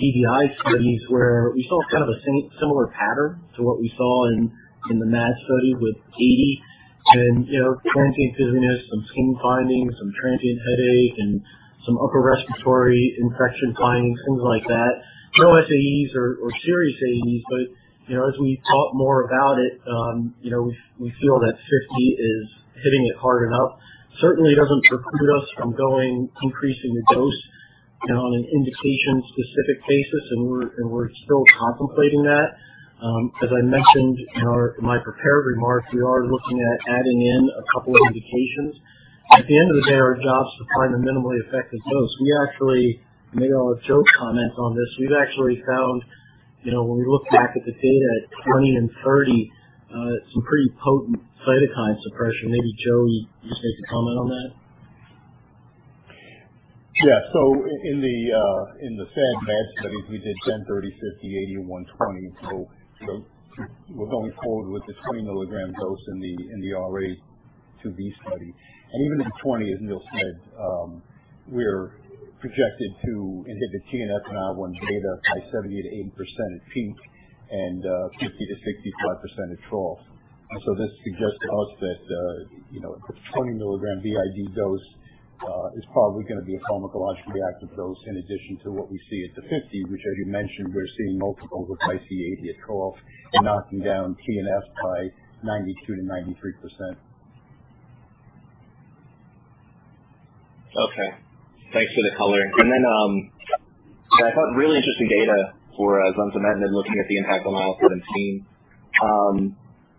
DDI studies where we saw kind of a similar pattern to what we saw in the MAD study with 80 mg. You know, transient dizziness, some skin findings, some transient headache, and some upper respiratory infection findings, things like that. No SEs or serious AEs, but you know, as we thought more about it, you know, we feel that 50 mg is hitting it hard enough. Certainly doesn't preclude us from going, increasing the dose, you know, on an indication specific basis, and we're still contemplating that. As I mentioned in my prepared remarks, we are looking at adding in a couple of indications. At the end of the day, our job is to find the minimally effective dose. We actually made all of Joe's comments on this. We've actually found, you know, when we look back at the data at 20 mg and 30 mg, some pretty potent cytokine suppression. Maybe, Joe, you should make a comment on that. Yeah. In the fed MAD studies, we did 10 mg, 30 mg, 50 mg, 80 mg, and 120 mg. You know, we're going forward with the 20 mg dose in the RA 2B study. Even in 20 mg, as Neal said, we're projected to inhibit TNF and IL-1β by 70%-80% at peak and 50%-65% at trough. This suggests to us that, you know, a 20 mg BID dose is probably gonna be a pharmacologically active dose in addition to what we see at the 50 mg, which, as you mentioned, we're seeing multiple of the IC80 at trough, knocking down TNF by 92%-93%. Okay. Thanks for the color. I thought really interesting data for zunsemetinib looking at the impact on IL-17.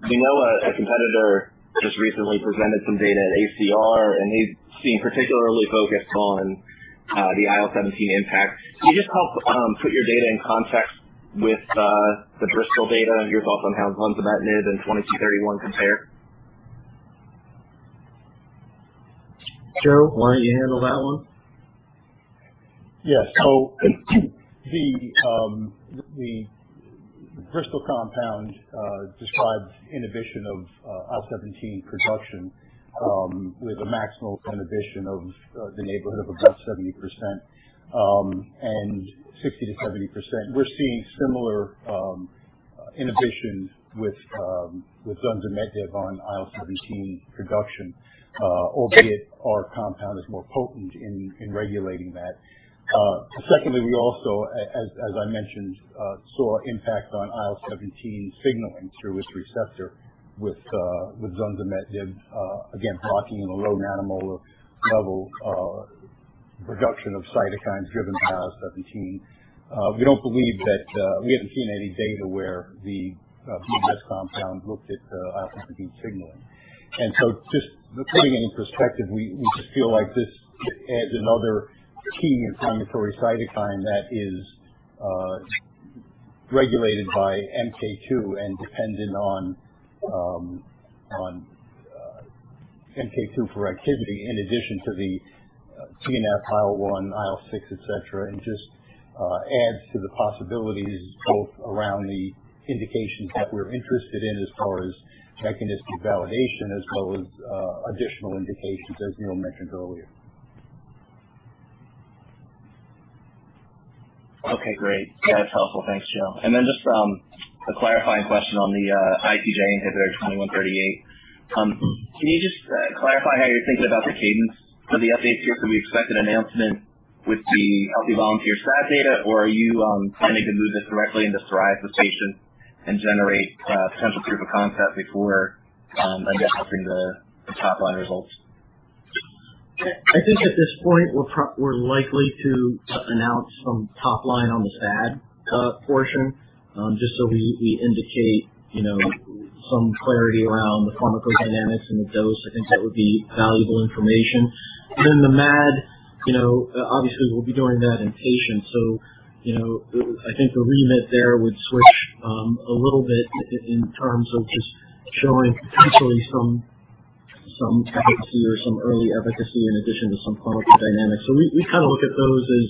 We know a competitor just recently presented some data at ACR, and they've seemed particularly focused on the IL-17 impact. Can you just help put your data in context with the Bristol data and your thoughts on how zunsemetinib and ATI-2231 compare? Joe, why don't you handle that one? Yes. The Bristol compound describes inhibition of IL-17 production with a maximal inhibition in the neighborhood of about 70%, and 60%-70%. We're seeing similar inhibition with zunsemetinib on IL-17 production, albeit our compound is more potent in regulating that. Secondly, we also, as I mentioned, saw impact on IL-17 signaling through its receptor with zunsemetinib, again, talking in the low nanomolar level, reduction of cytokines driven by IL-17. We don't believe that we haven't seen any data where the BMS compound looked at IL-17 signaling. Just putting it in perspective, we just feel like this adds another key inflammatory cytokine that is regulated by MK2 and dependent on MK2 for activity in addition to the TNF, IL-1, IL-6, etc. Just adds to the possibilities both around the indications that we're interested in as far as mechanism validation as well as additional indications as Neal mentioned earlier. Okay, great. Yeah, that's helpful. Thanks, Joe. Just a clarifying question on the ITK/JAK3 inhibitor, ATI-2138. Can you clarify how you're thinking about the cadence of the updates here? Can we expect an announcement with the healthy volunteer SAD data, or are you planning to move this directly into a trial with patients and generate a potential proof-of-concept before, I guess, releasing the top-line results? I think at this point we're likely to announce some top line on the SAD portion, just so we indicate, you know, some clarity around the pharmacodynamics and the dose. I think that would be valuable information. Then the MAD, obviously we'll be doing that in patients. I think the remit there would switch a little bit in terms of just showing potentially some efficacy or some early efficacy in addition to some pharmacodynamics. We kind of look at those as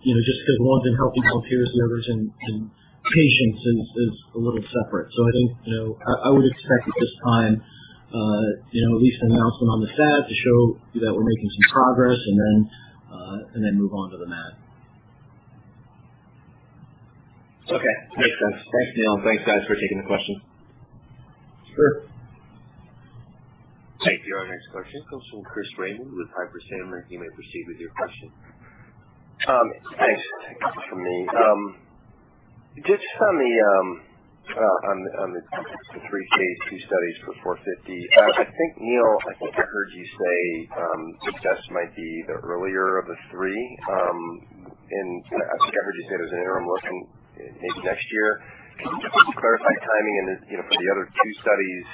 just kind of SAD in healthy volunteers and MAD in patients is a little separate. I think, you know, I would expect at this time, you know, at least an announcement on the SAD to show that we're making some progress and then move on to the MAD. Okay. Makes sense. Thanks, Neal. Thanks, guys, for taking the questions. Sure. Thank you. Your next question comes from Chris Raymond with Piper Sandler. You may proceed with your question. Thanks. Thanks from me. Just on the three phase II studies for ATI-450. I think, Neal, I heard you say success might be the earlier of the three. I think I heard you say there's an interim look in maybe next year. Can you just clarify timing and then, you know, for the other two studies,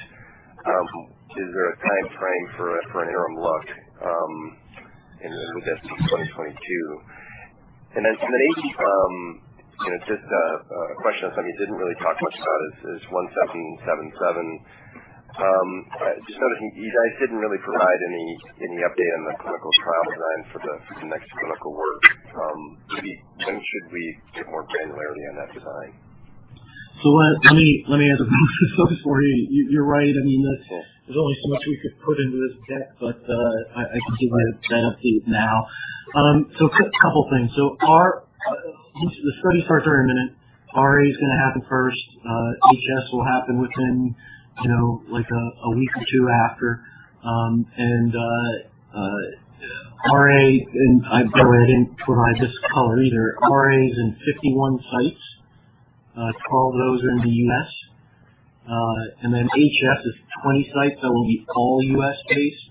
is there a timeframe for an interim look in 2H 2022? You know, just a question that's come you didn't really talk much about is ATI-1777. Just noticing you guys didn't really provide any update on the clinical trial design for the next clinical work. Maybe when should we get more granularity on that design? Let me answer those for you. You're right. I mean, that's. There's only so much we could put into this deck, but I can provide an update now. A couple things. The study starts very imminent. RA is gonna happen first. HS will happen within, you know, like a week or two after. RA, by the way, I didn't provide this color either. RA is in 51 sites. Twelve of those are in the U.S. And then HS is 20 sites. That will be all U.S.-based.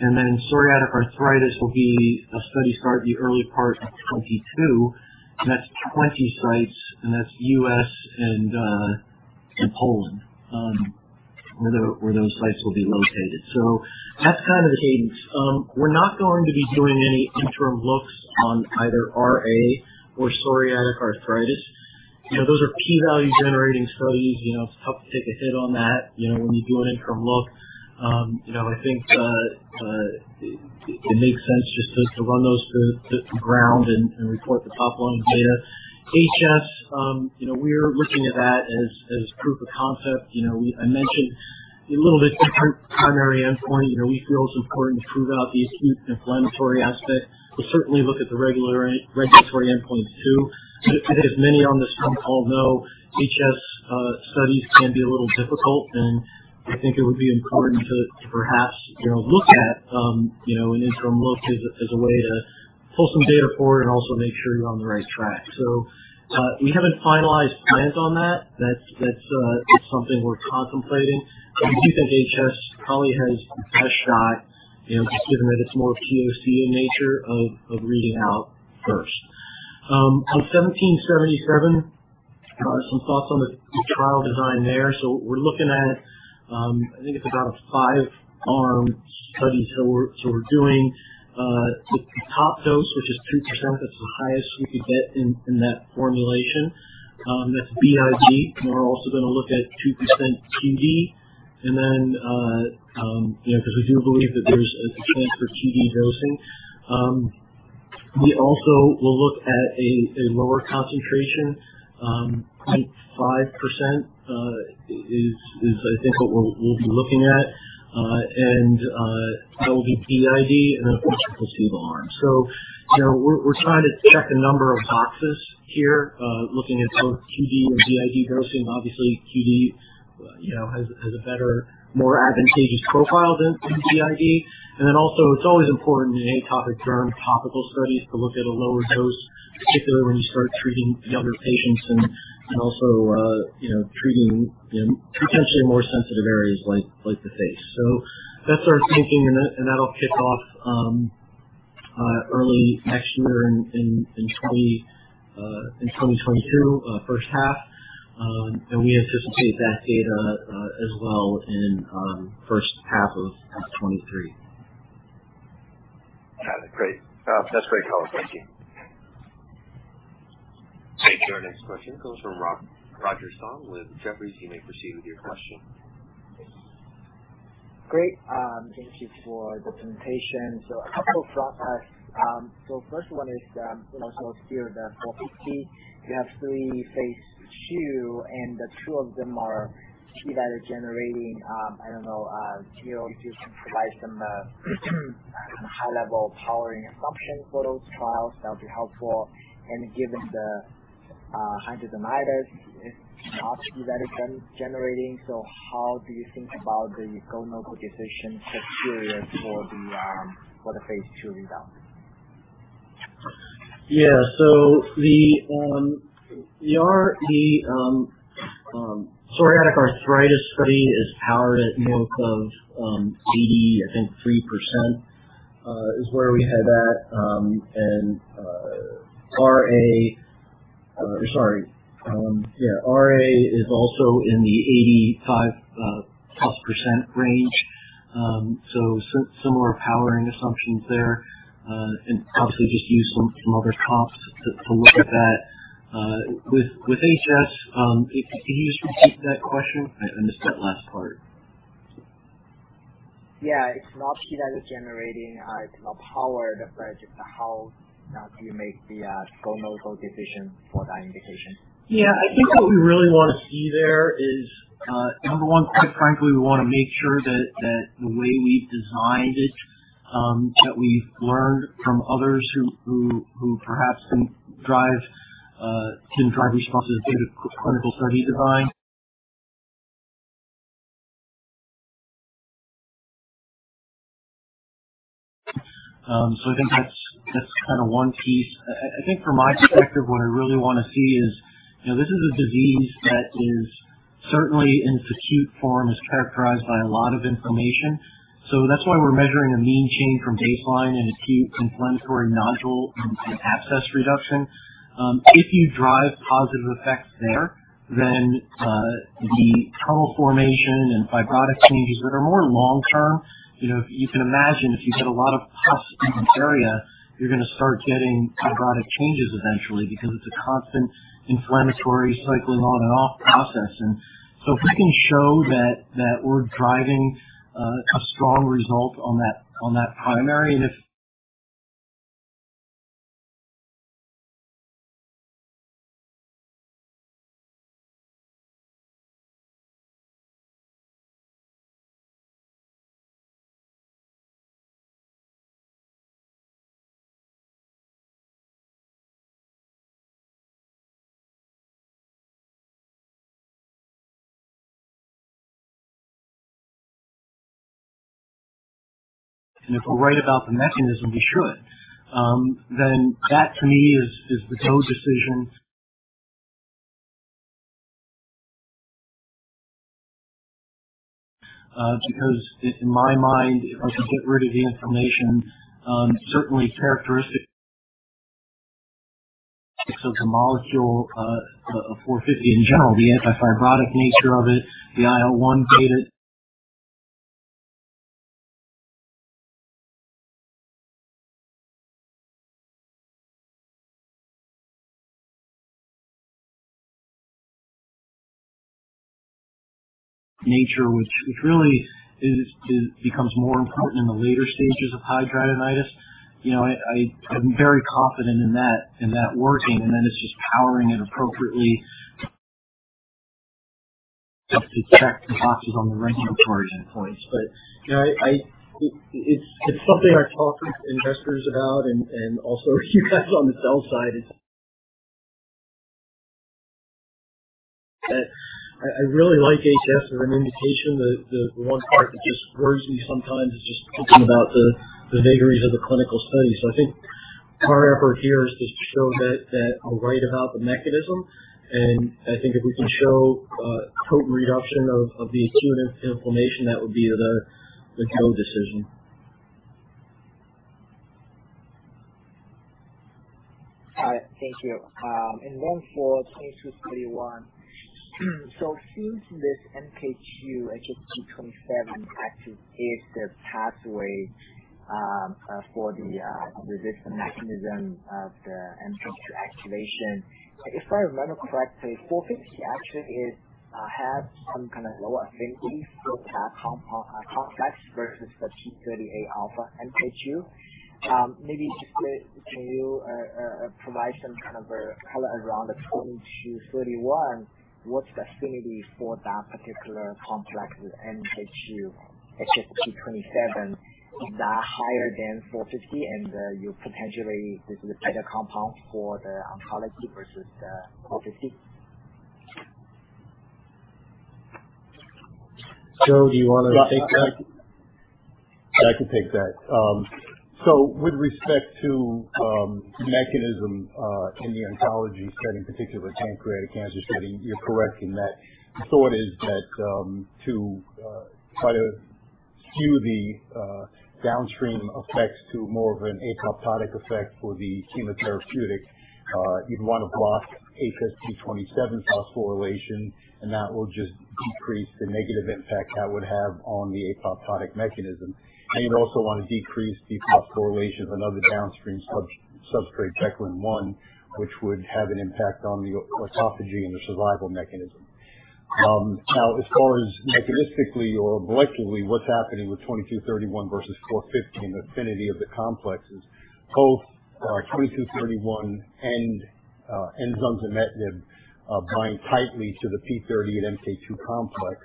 Psoriatic arthritis will be a study start in the early part of 2022, and that's 20 sites, and that's U.S. and Poland, where those sites will be located. That's kind of the cadence. We're not going to be doing any interim looks on either RA or psoriatic arthritis. You know, those are P-value generating studies. You know, it's tough to take a hit on that, you know, when you do an interim look. You know, I think it makes sense just to run those to ground and report the top-line data. HS, you know, we're looking at that as proof of concept. You know, I mentioned a little bit different primary endpoint. You know, we feel it's important to prove out the acute inflammatory aspect. We'll certainly look at the regular regulatory endpoint too. As many on this phone call know, HS studies can be a little difficult, and I think it would be important to perhaps, you know, look at, you know, an interim look as a way to pull some data forward and also make sure you're on the right track. We haven't finalized plans on that. That's something we're contemplating. We do think HS probably has the best shot, you know, just given that it's more POC in nature of reading out first. On ATI-1777, some thoughts on the trial design there. We're looking at, I think it's about a five-arm study. We're doing the top dose, which is 2%. That's the highest we could get in that formulation. That's BID, and we're also gonna look at 2% TD. You know, because we do believe that there's a chance for TD dosing. We also will look at a lower concentration. 0.5% is I think what we'll be looking at. That will be BID, and then, of course, the two-arm. You know, we're trying to check a number of boxes here, looking at both TD and BID dosing. Obviously, TD you know has a better, more advantageous profile than BID. It's always important in atopic derm topical studies to look at a lower dose, particularly when you start treating younger patients and also you know treating potentially more sensitive areas like the face. That's our thinking, and that'll kick off early next year in 2022, first half. We anticipate that data as well in first half of 2023. Got it. Great. That's great, Color. Thank you. Thank you. Our next question comes from Roger Song with Jefferies. You may proceed with your question. Great. Thank you for the presentation. A couple questions. First one is, you know, here the ATI-450, you have three phase II, and the two of them are p-value generating. I don't know. Can you just provide some high-level powering assumption for those trials? That'll be helpful. Given the hidradenitis is not p-value generating, how do you think about the go/no-go decision criteria for the phase II readout? The psoriatic arthritis study is powered at north of 83%, I think, is where we had that. RA is also in the 85%+ range. Similar powering assumptions there, and possibly just use some other comps to look at that. With HS, can you just repeat that question? I missed that last part. Yeah. It's not p-value generating. It's not powered, but just how do you make the go/no-go decision for that indication? Yeah. I think what we really wanna see there is, number one, quite frankly, we wanna make sure that the way we've designed it, that we've learned from others who perhaps can drive responses given clinical study design. I think that's kinda one piece. I think from my perspective, what I really wanna see is, you know, this is a disease that is certainly in its acute form, is characterized by a lot of inflammation. That's why we're measuring a mean change from baseline and acute inflammatory nodule and abscess reduction. If you drive positive effects there, then, the tunnel formation and fibrotic changes that are more long term. You know, you can imagine if you get a lot of pus in this area, you're gonna start getting fibrotic changes eventually because it's a constant inflammatory cycling on and off process. If we can show that we're driving a strong result on that primary, and if we're right about the mechanism, we should then that to me is the go decision. Because it in my mind, if we can get rid of the inflammation, certainly characteristic of the molecule of ATI-450 in general, the anti-fibrotic nature of it, the IL-1 data nature, which really is becomes more important in the later stages of hidradenitis. You know, I I'm very confident in that working, and then it's just powering it appropriately enough to check the boxes on the regulatory end points. You know, it's something I talk with investors about and also you guys on the sell side. I really like HS for an indication. The one part that just worries me sometimes is just thinking about the vagaries of the clinical study. I think our effort here is to show that we're right about the mechanism, and I think if we can show total reduction of the acute inflammation, that would be the go decision. All right. Thank you. Then for 2231. Since this MK2 HSP27 actually is the pathway for the resistance mechanism of the MK2 activation. If I remember correctly, ATI-450 actually has some kind of lower affinity for that complex versus the p38 alpha MK2. Maybe just can you provide some kind of a color around the 2231? What's the affinity for that particular complex with MK2 HSP27? Is that higher than ATI-450 and you potentially this is a better compound for the oncology versus ATI-450? Joe, do you wanna take that? I can take that. With respect to mechanism in the oncology setting, particularly pancreatic cancer setting, you're correct in that. The thought is that to try to skew the downstream effects to more of an apoptotic effect for the chemotherapeutic, you'd wanna block HSP27 phosphorylation, and that will just decrease the negative impact that would have on the apoptotic mechanism. You'd also wanna decrease the phosphorylation of another downstream substrate, Beclin-1, which would have an impact on the autophagy and the survival mechanism. Now as far as mechanistically or molecularly, what's happening with 2231 versus 415, the affinity of the complexes, both 2231 and enzalutamide bind tightly to the p38 and MK2 complex,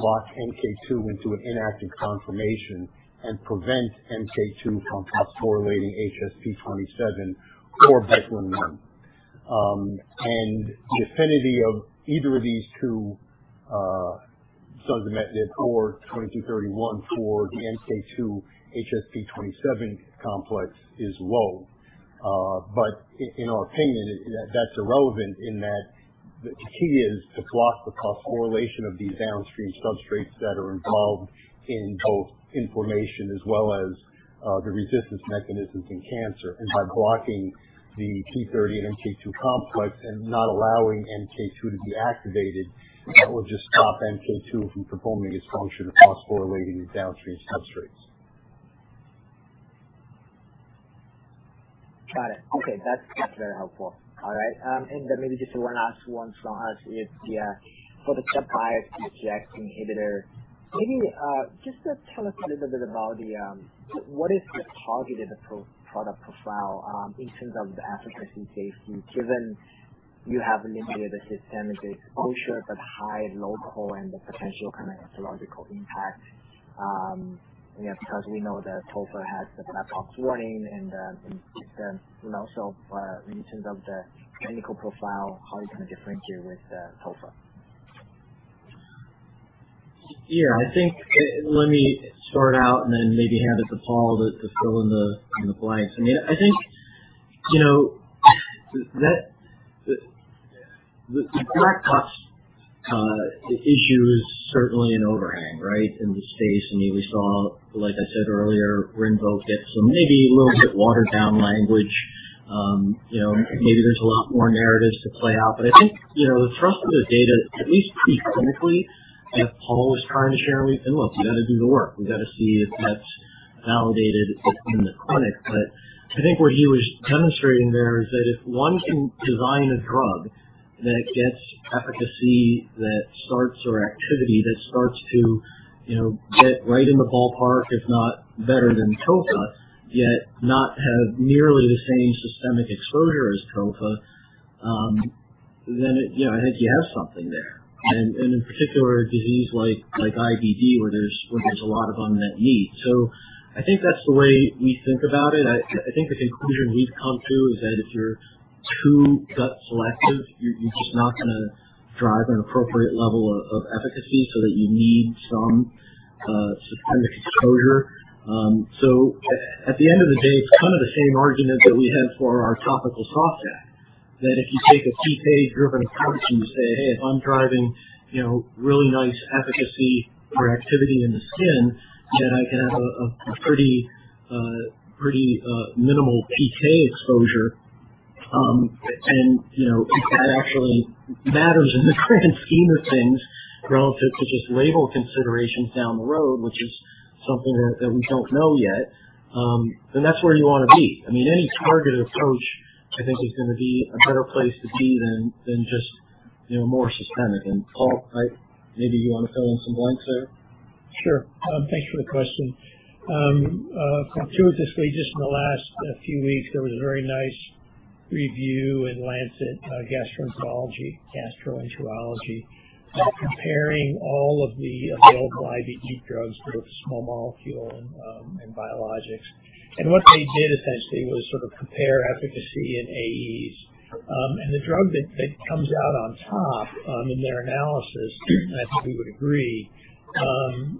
lock MK2 into an inactive conformation, and prevent MK2 from phosphorylating HSP27 or Beclin-1. The affinity of either of these two, enzalutamide or 2231 for the MK2 HSP27 complex is low. But in our opinion, that's irrelevant in that the key is to block the phosphorylation of these downstream substrates that are involved in both inflammation as well as the resistance mechanisms in cancer. By blocking the p38 and MK2 complex and not allowing MK2 to be activated, that will just stop MK2 from performing its function of phosphorylating these downstream substrates. Got it. Okay. That's very helpful. All right, then maybe just one last one from us. For the gut-biased JAK inhibitor, maybe just tell us a little bit about what the targeted product profile is in terms of the efficacy case, given you have limited the systemic exposure, but high local and the potential kind of oncological impact. You know, because we know that tofa has the black box warning and the you know, so in terms of the clinical profile, how are you gonna differentiate with tofa? Yeah, I think, let me start out and then maybe hand it to Paul to fill in the blanks. I mean, I think, you know, that the black box issue is certainly an overhang, right, in the space. I mean, we saw, like I said earlier, RINVOQ get some maybe a little bit watered down language. You know, maybe there's a lot more narratives to play out. I think, you know, the thrust of the data, at least preclinically, as Paul was trying to share, and look, we gotta do the work. We gotta see if that's validated within the clinic. I think what he was demonstrating there is that if one can design a drug that gets efficacy that starts or activity that starts to, you know, get right in the ballpark, if not better than tofa, yet not have nearly the same systemic exposure as tofa. Then it, you know, I think you have something there. In particular, a disease like IBD where there's a lot of unmet need. I think that's the way we think about it. I think the conclusion we've come to is that if you're too gut-selective, you're just not gonna drive an appropriate level of efficacy so that you need some systemic exposure. At the end of the day, it's kind of the same argument that we had for our topical soft JAK. That if you take a PK driven approach, and you say, "Hey, if I'm driving, you know, really nice efficacy or activity in the skin, then I can have a pretty minimal PK exposure." You know, if that actually matters in the grand scheme of things relative to just label considerations down the road, which is something that we don't know yet, then that's where you wanna be. I mean, any targeted approach, I think, is gonna be a better place to be than just, you know, more systemic. Paul, right, maybe you wanna fill in some blanks there. Sure. Thanks for the question. Fortuitously, just in the last few weeks, there was a very nice review in The Lancet Gastroenterology comparing all of the available IBD drugs, both small molecule and biologics. What they did essentially was sort of compare efficacy and AEs. The drug that comes out on top in their analysis, and I think we would agree,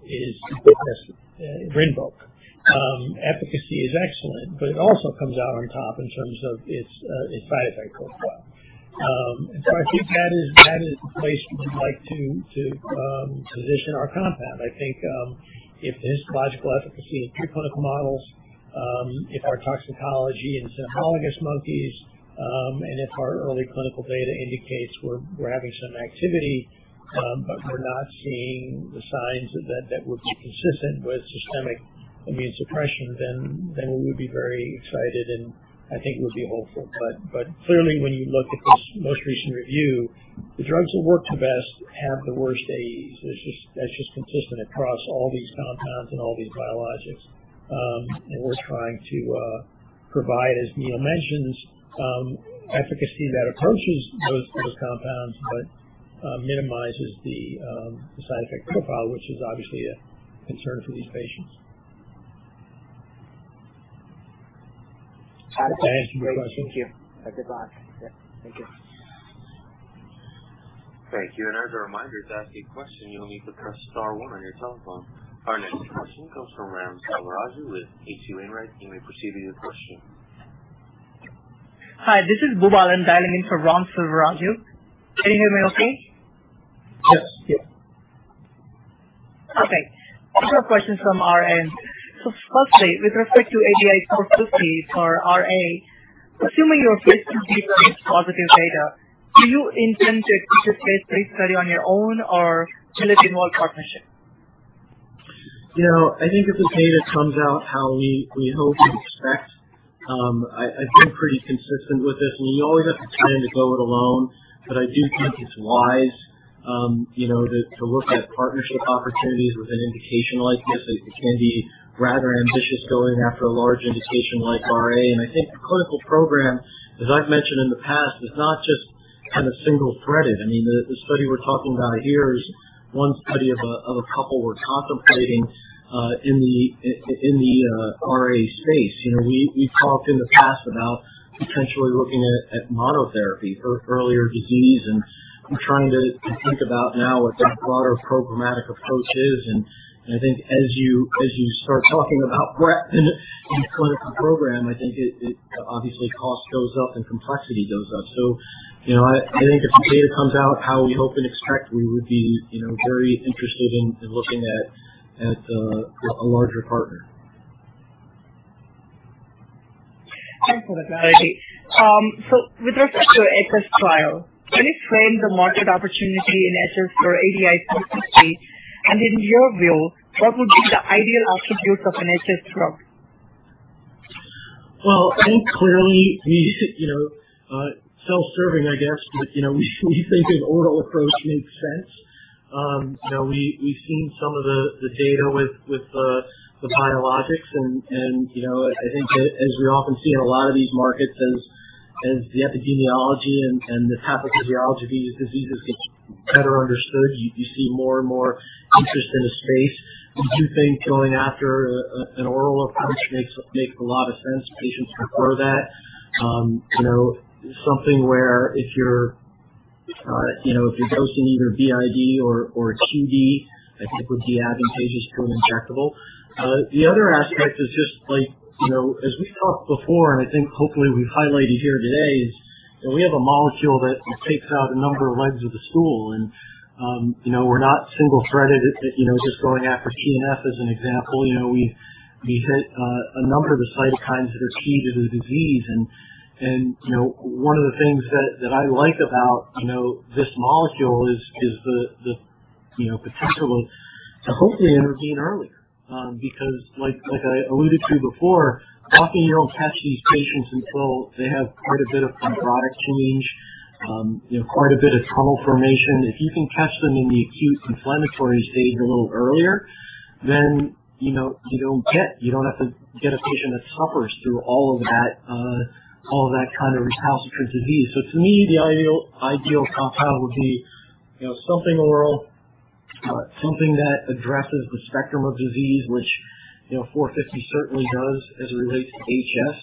is Yes. RINVOQ. Efficacy is excellent, but it also comes out on top in terms of its side effect profile. I think that is the place we would like to position our compound. I think if there's biological efficacy in preclinical models, if our toxicology in cynomolgus monkeys, and if our early clinical data indicates we're having some activity, but we're not seeing the signs that would be consistent with systemic immune suppression, then we would be very excited, and I think we'll be hopeful. Clearly, when you look at this most recent review, the drugs that work the best have the worst AEs. It's just. That's just consistent across all these compounds and all these biologics. We're trying to provide, as Neal mentions, efficacy that approaches those compounds but minimizes the side effect profile, which is obviously a concern for these patients. Absolutely. Thanks. Great. Thank you. Good luck. Yeah. Thank you. Thank you. As a reminder, to ask a question, you'll need to press star one on your telephone. Our next question comes from Ram Selvaraju with H.C. Wainwright. You may proceed with your question. Hi, this is Boobalan dialing in for Ram Selvaraju. Can you hear me okay? Yes. Yes. Okay. These are questions from Ram. Firstly, with respect to ATI-450 for RA, assuming your phase II data is positive data, do you intend to execute phase III study on your own or will it involve partnership? You know, I think if the data comes out how we hope and expect, I've been pretty consistent with this, and you always have the plan to go it alone. But I do think it's wise, you know, to look at partnership opportunities with an indication like this. It can be rather ambitious going after a large indication like RA. I think the clinical program, as I've mentioned in the past, is not just kind of single-threaded. I mean, the study we're talking about here is one study of a couple we're contemplating in the RA space. You know, we've talked in the past about potentially looking at monotherapy for earlier disease and trying to think about now what that broader programmatic approach is. I think as you start talking about breadth in clinical program, I think it obviously cost goes up, and complexity goes up. You know, I think if the data comes out how we hope and expect, we would be, you know, very interested in looking at a larger partner. Thanks for the clarity. With respect to HS trial, can you frame the market opportunity in HS for ATI-450? In your view, what would be the ideal attributes of an HS drug? Well, I think clearly we, you know, self-serving, I guess, but, you know, we think an oral approach makes sense. You know, we've seen some of the data with the biologics and, you know, I think as we often see in a lot of these markets, as the epidemiology and the pathophysiology of these diseases gets better understood, you see more and more interest in the space. We do think going after an oral approach makes a lot of sense. Patients prefer that. You know, something where if you're dosing either BID or TID, I think would be advantageous to an injectable. The other aspect is just like, you know, as we talked before, and I think hopefully we've highlighted here today, is that we have a molecule that takes out a number of legs of the stool. You know, we're not single-threaded at, you know, just going after TNF as an example. You know, we hit a number of the cytokines that are key to the disease. You know, one of the things that I like about, you know, this molecule is the potential to hopefully intervene earlier. Because like I alluded to before, often you don't catch these patients until they have quite a bit of fibrotic change, you know, quite a bit of tunnel formation. If you can catch them in the acute inflammatory stage a little earlier, you know, you don't get. You don't have to get a patient that suffers through all of that, all of that kind of recalcitrant disease. To me, the ideal compound would be, you know, something oral, something that addresses the spectrum of disease, which, you know, ATI-450 certainly does as it relates to HS.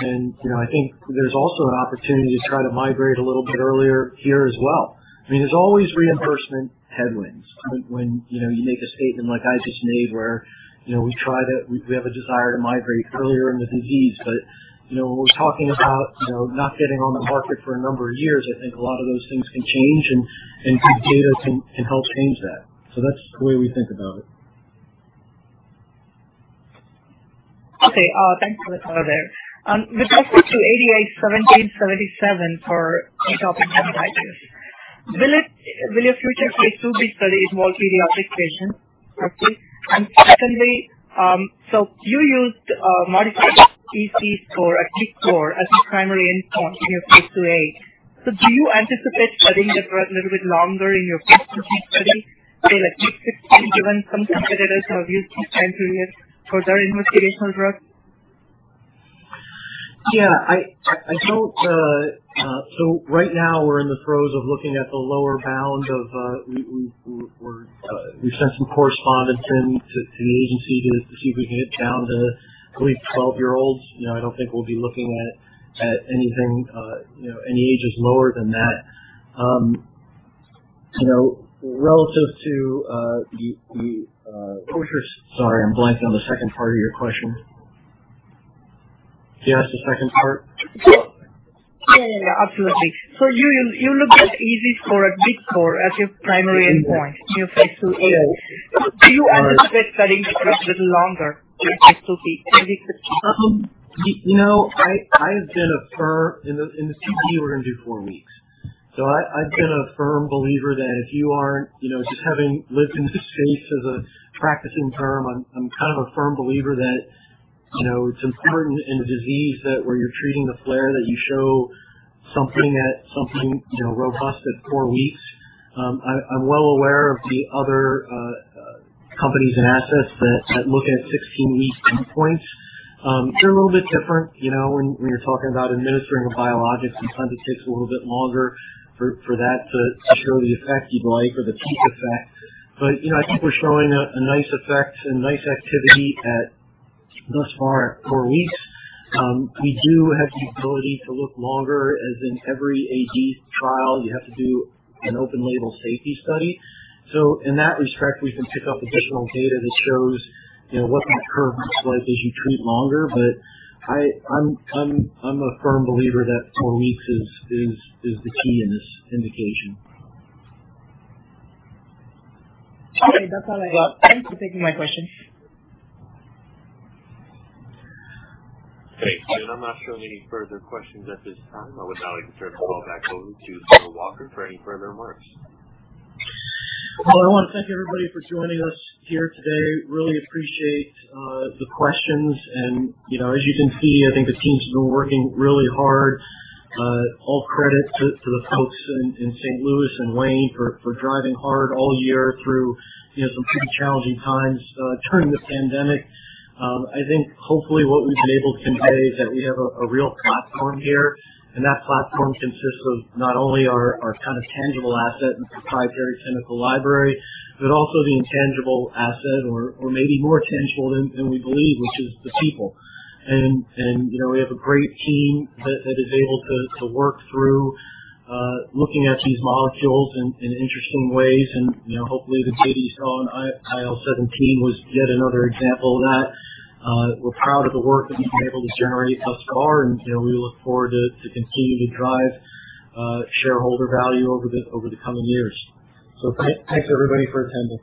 You know, I think there's also an opportunity to try to migrate a little bit earlier here as well. I mean, there's always reimbursement headwinds when you know, you make a statement like I just made where, you know, we have a desire to migrate earlier in the disease. You know, when we're talking about, you know, not getting on the market for a number of years, I think a lot of those things can change and good data can help change that. That's the way we think about it. Okay. Thanks for the color there. With respect to ATI-1777 for theatopic dermatitis, will your future phase IIb study involve pediatric patients roughly? Secondly, you used modified EASI score, peak score as your primary endpoint in your phase II-A. Do you anticipate studying the drug a little bit longer in your phase II-B study, say like week 16, given some competitors have used this time period for their investigational drugs? Right now we're in the throes of looking at the lower bound. We've sent some correspondence to the agency to see if we can get down to at least 12-year-olds. You know, I don't think we'll be looking at anything, you know, any ages lower than that. You know, relative to the. Sorry, I'm blanking on the second part of your question. Can you ask the second part? Yeah, yeah. Absolutely. You looked at EASI score at peak score as your primary endpoint in your phase II-A. Yes. Do you anticipate studying the drug a little longer in your phase II-B study? You know, I've been a firm believer that if you aren't, you know, just having lived in this space as a practicing physician, I'm kind of a firm believer that, you know, it's important in a disease where you're treating the flare, that you show something robust at four weeks. In the study, we're gonna do four weeks. I'm well aware of the other companies and assets that look at 16-week endpoints. They're a little bit different, you know, when you're talking about administering a biologic. Sometimes it takes a little bit longer for that to show the effect you'd like or the peak effect. You know, I think we're showing a nice effect and nice activity thus far at four weeks. We do have the ability to look longer, as in every AD trial you have to do an open label safety study. In that respect, we can pick up additional data that shows, you know, what that curve looks like as you treat longer. I'm a firm believer that four weeks is the key in this indication. Okay. That's all I have. Well- Thanks for taking my question. Thanks. I'm not showing any further questions at this time. I would now like to turn the call back over to Neal Walker for any further remarks. Well, I wanna thank everybody for joining us here today. Really appreciate the questions. You know, as you can see, I think the team's been working really hard. All credit to the folks in St. Louis and Wayne for driving hard all year through, you know, some pretty challenging times during this pandemic. I think hopefully what we've been able to convey is that we have a real platform here, and that platform consists of not only our kind of tangible asset and proprietary chemical library, but also the intangible asset or maybe more tangible than we believe, which is the people. You know, we have a great team that is able to work through looking at these molecules in interesting ways. You know, hopefully the data shown on IL-17 was yet another example of that. We're proud of the work that we've been able to generate thus far and, you know, we look forward to continuing to drive shareholder value over the coming years. Thanks everybody for attending.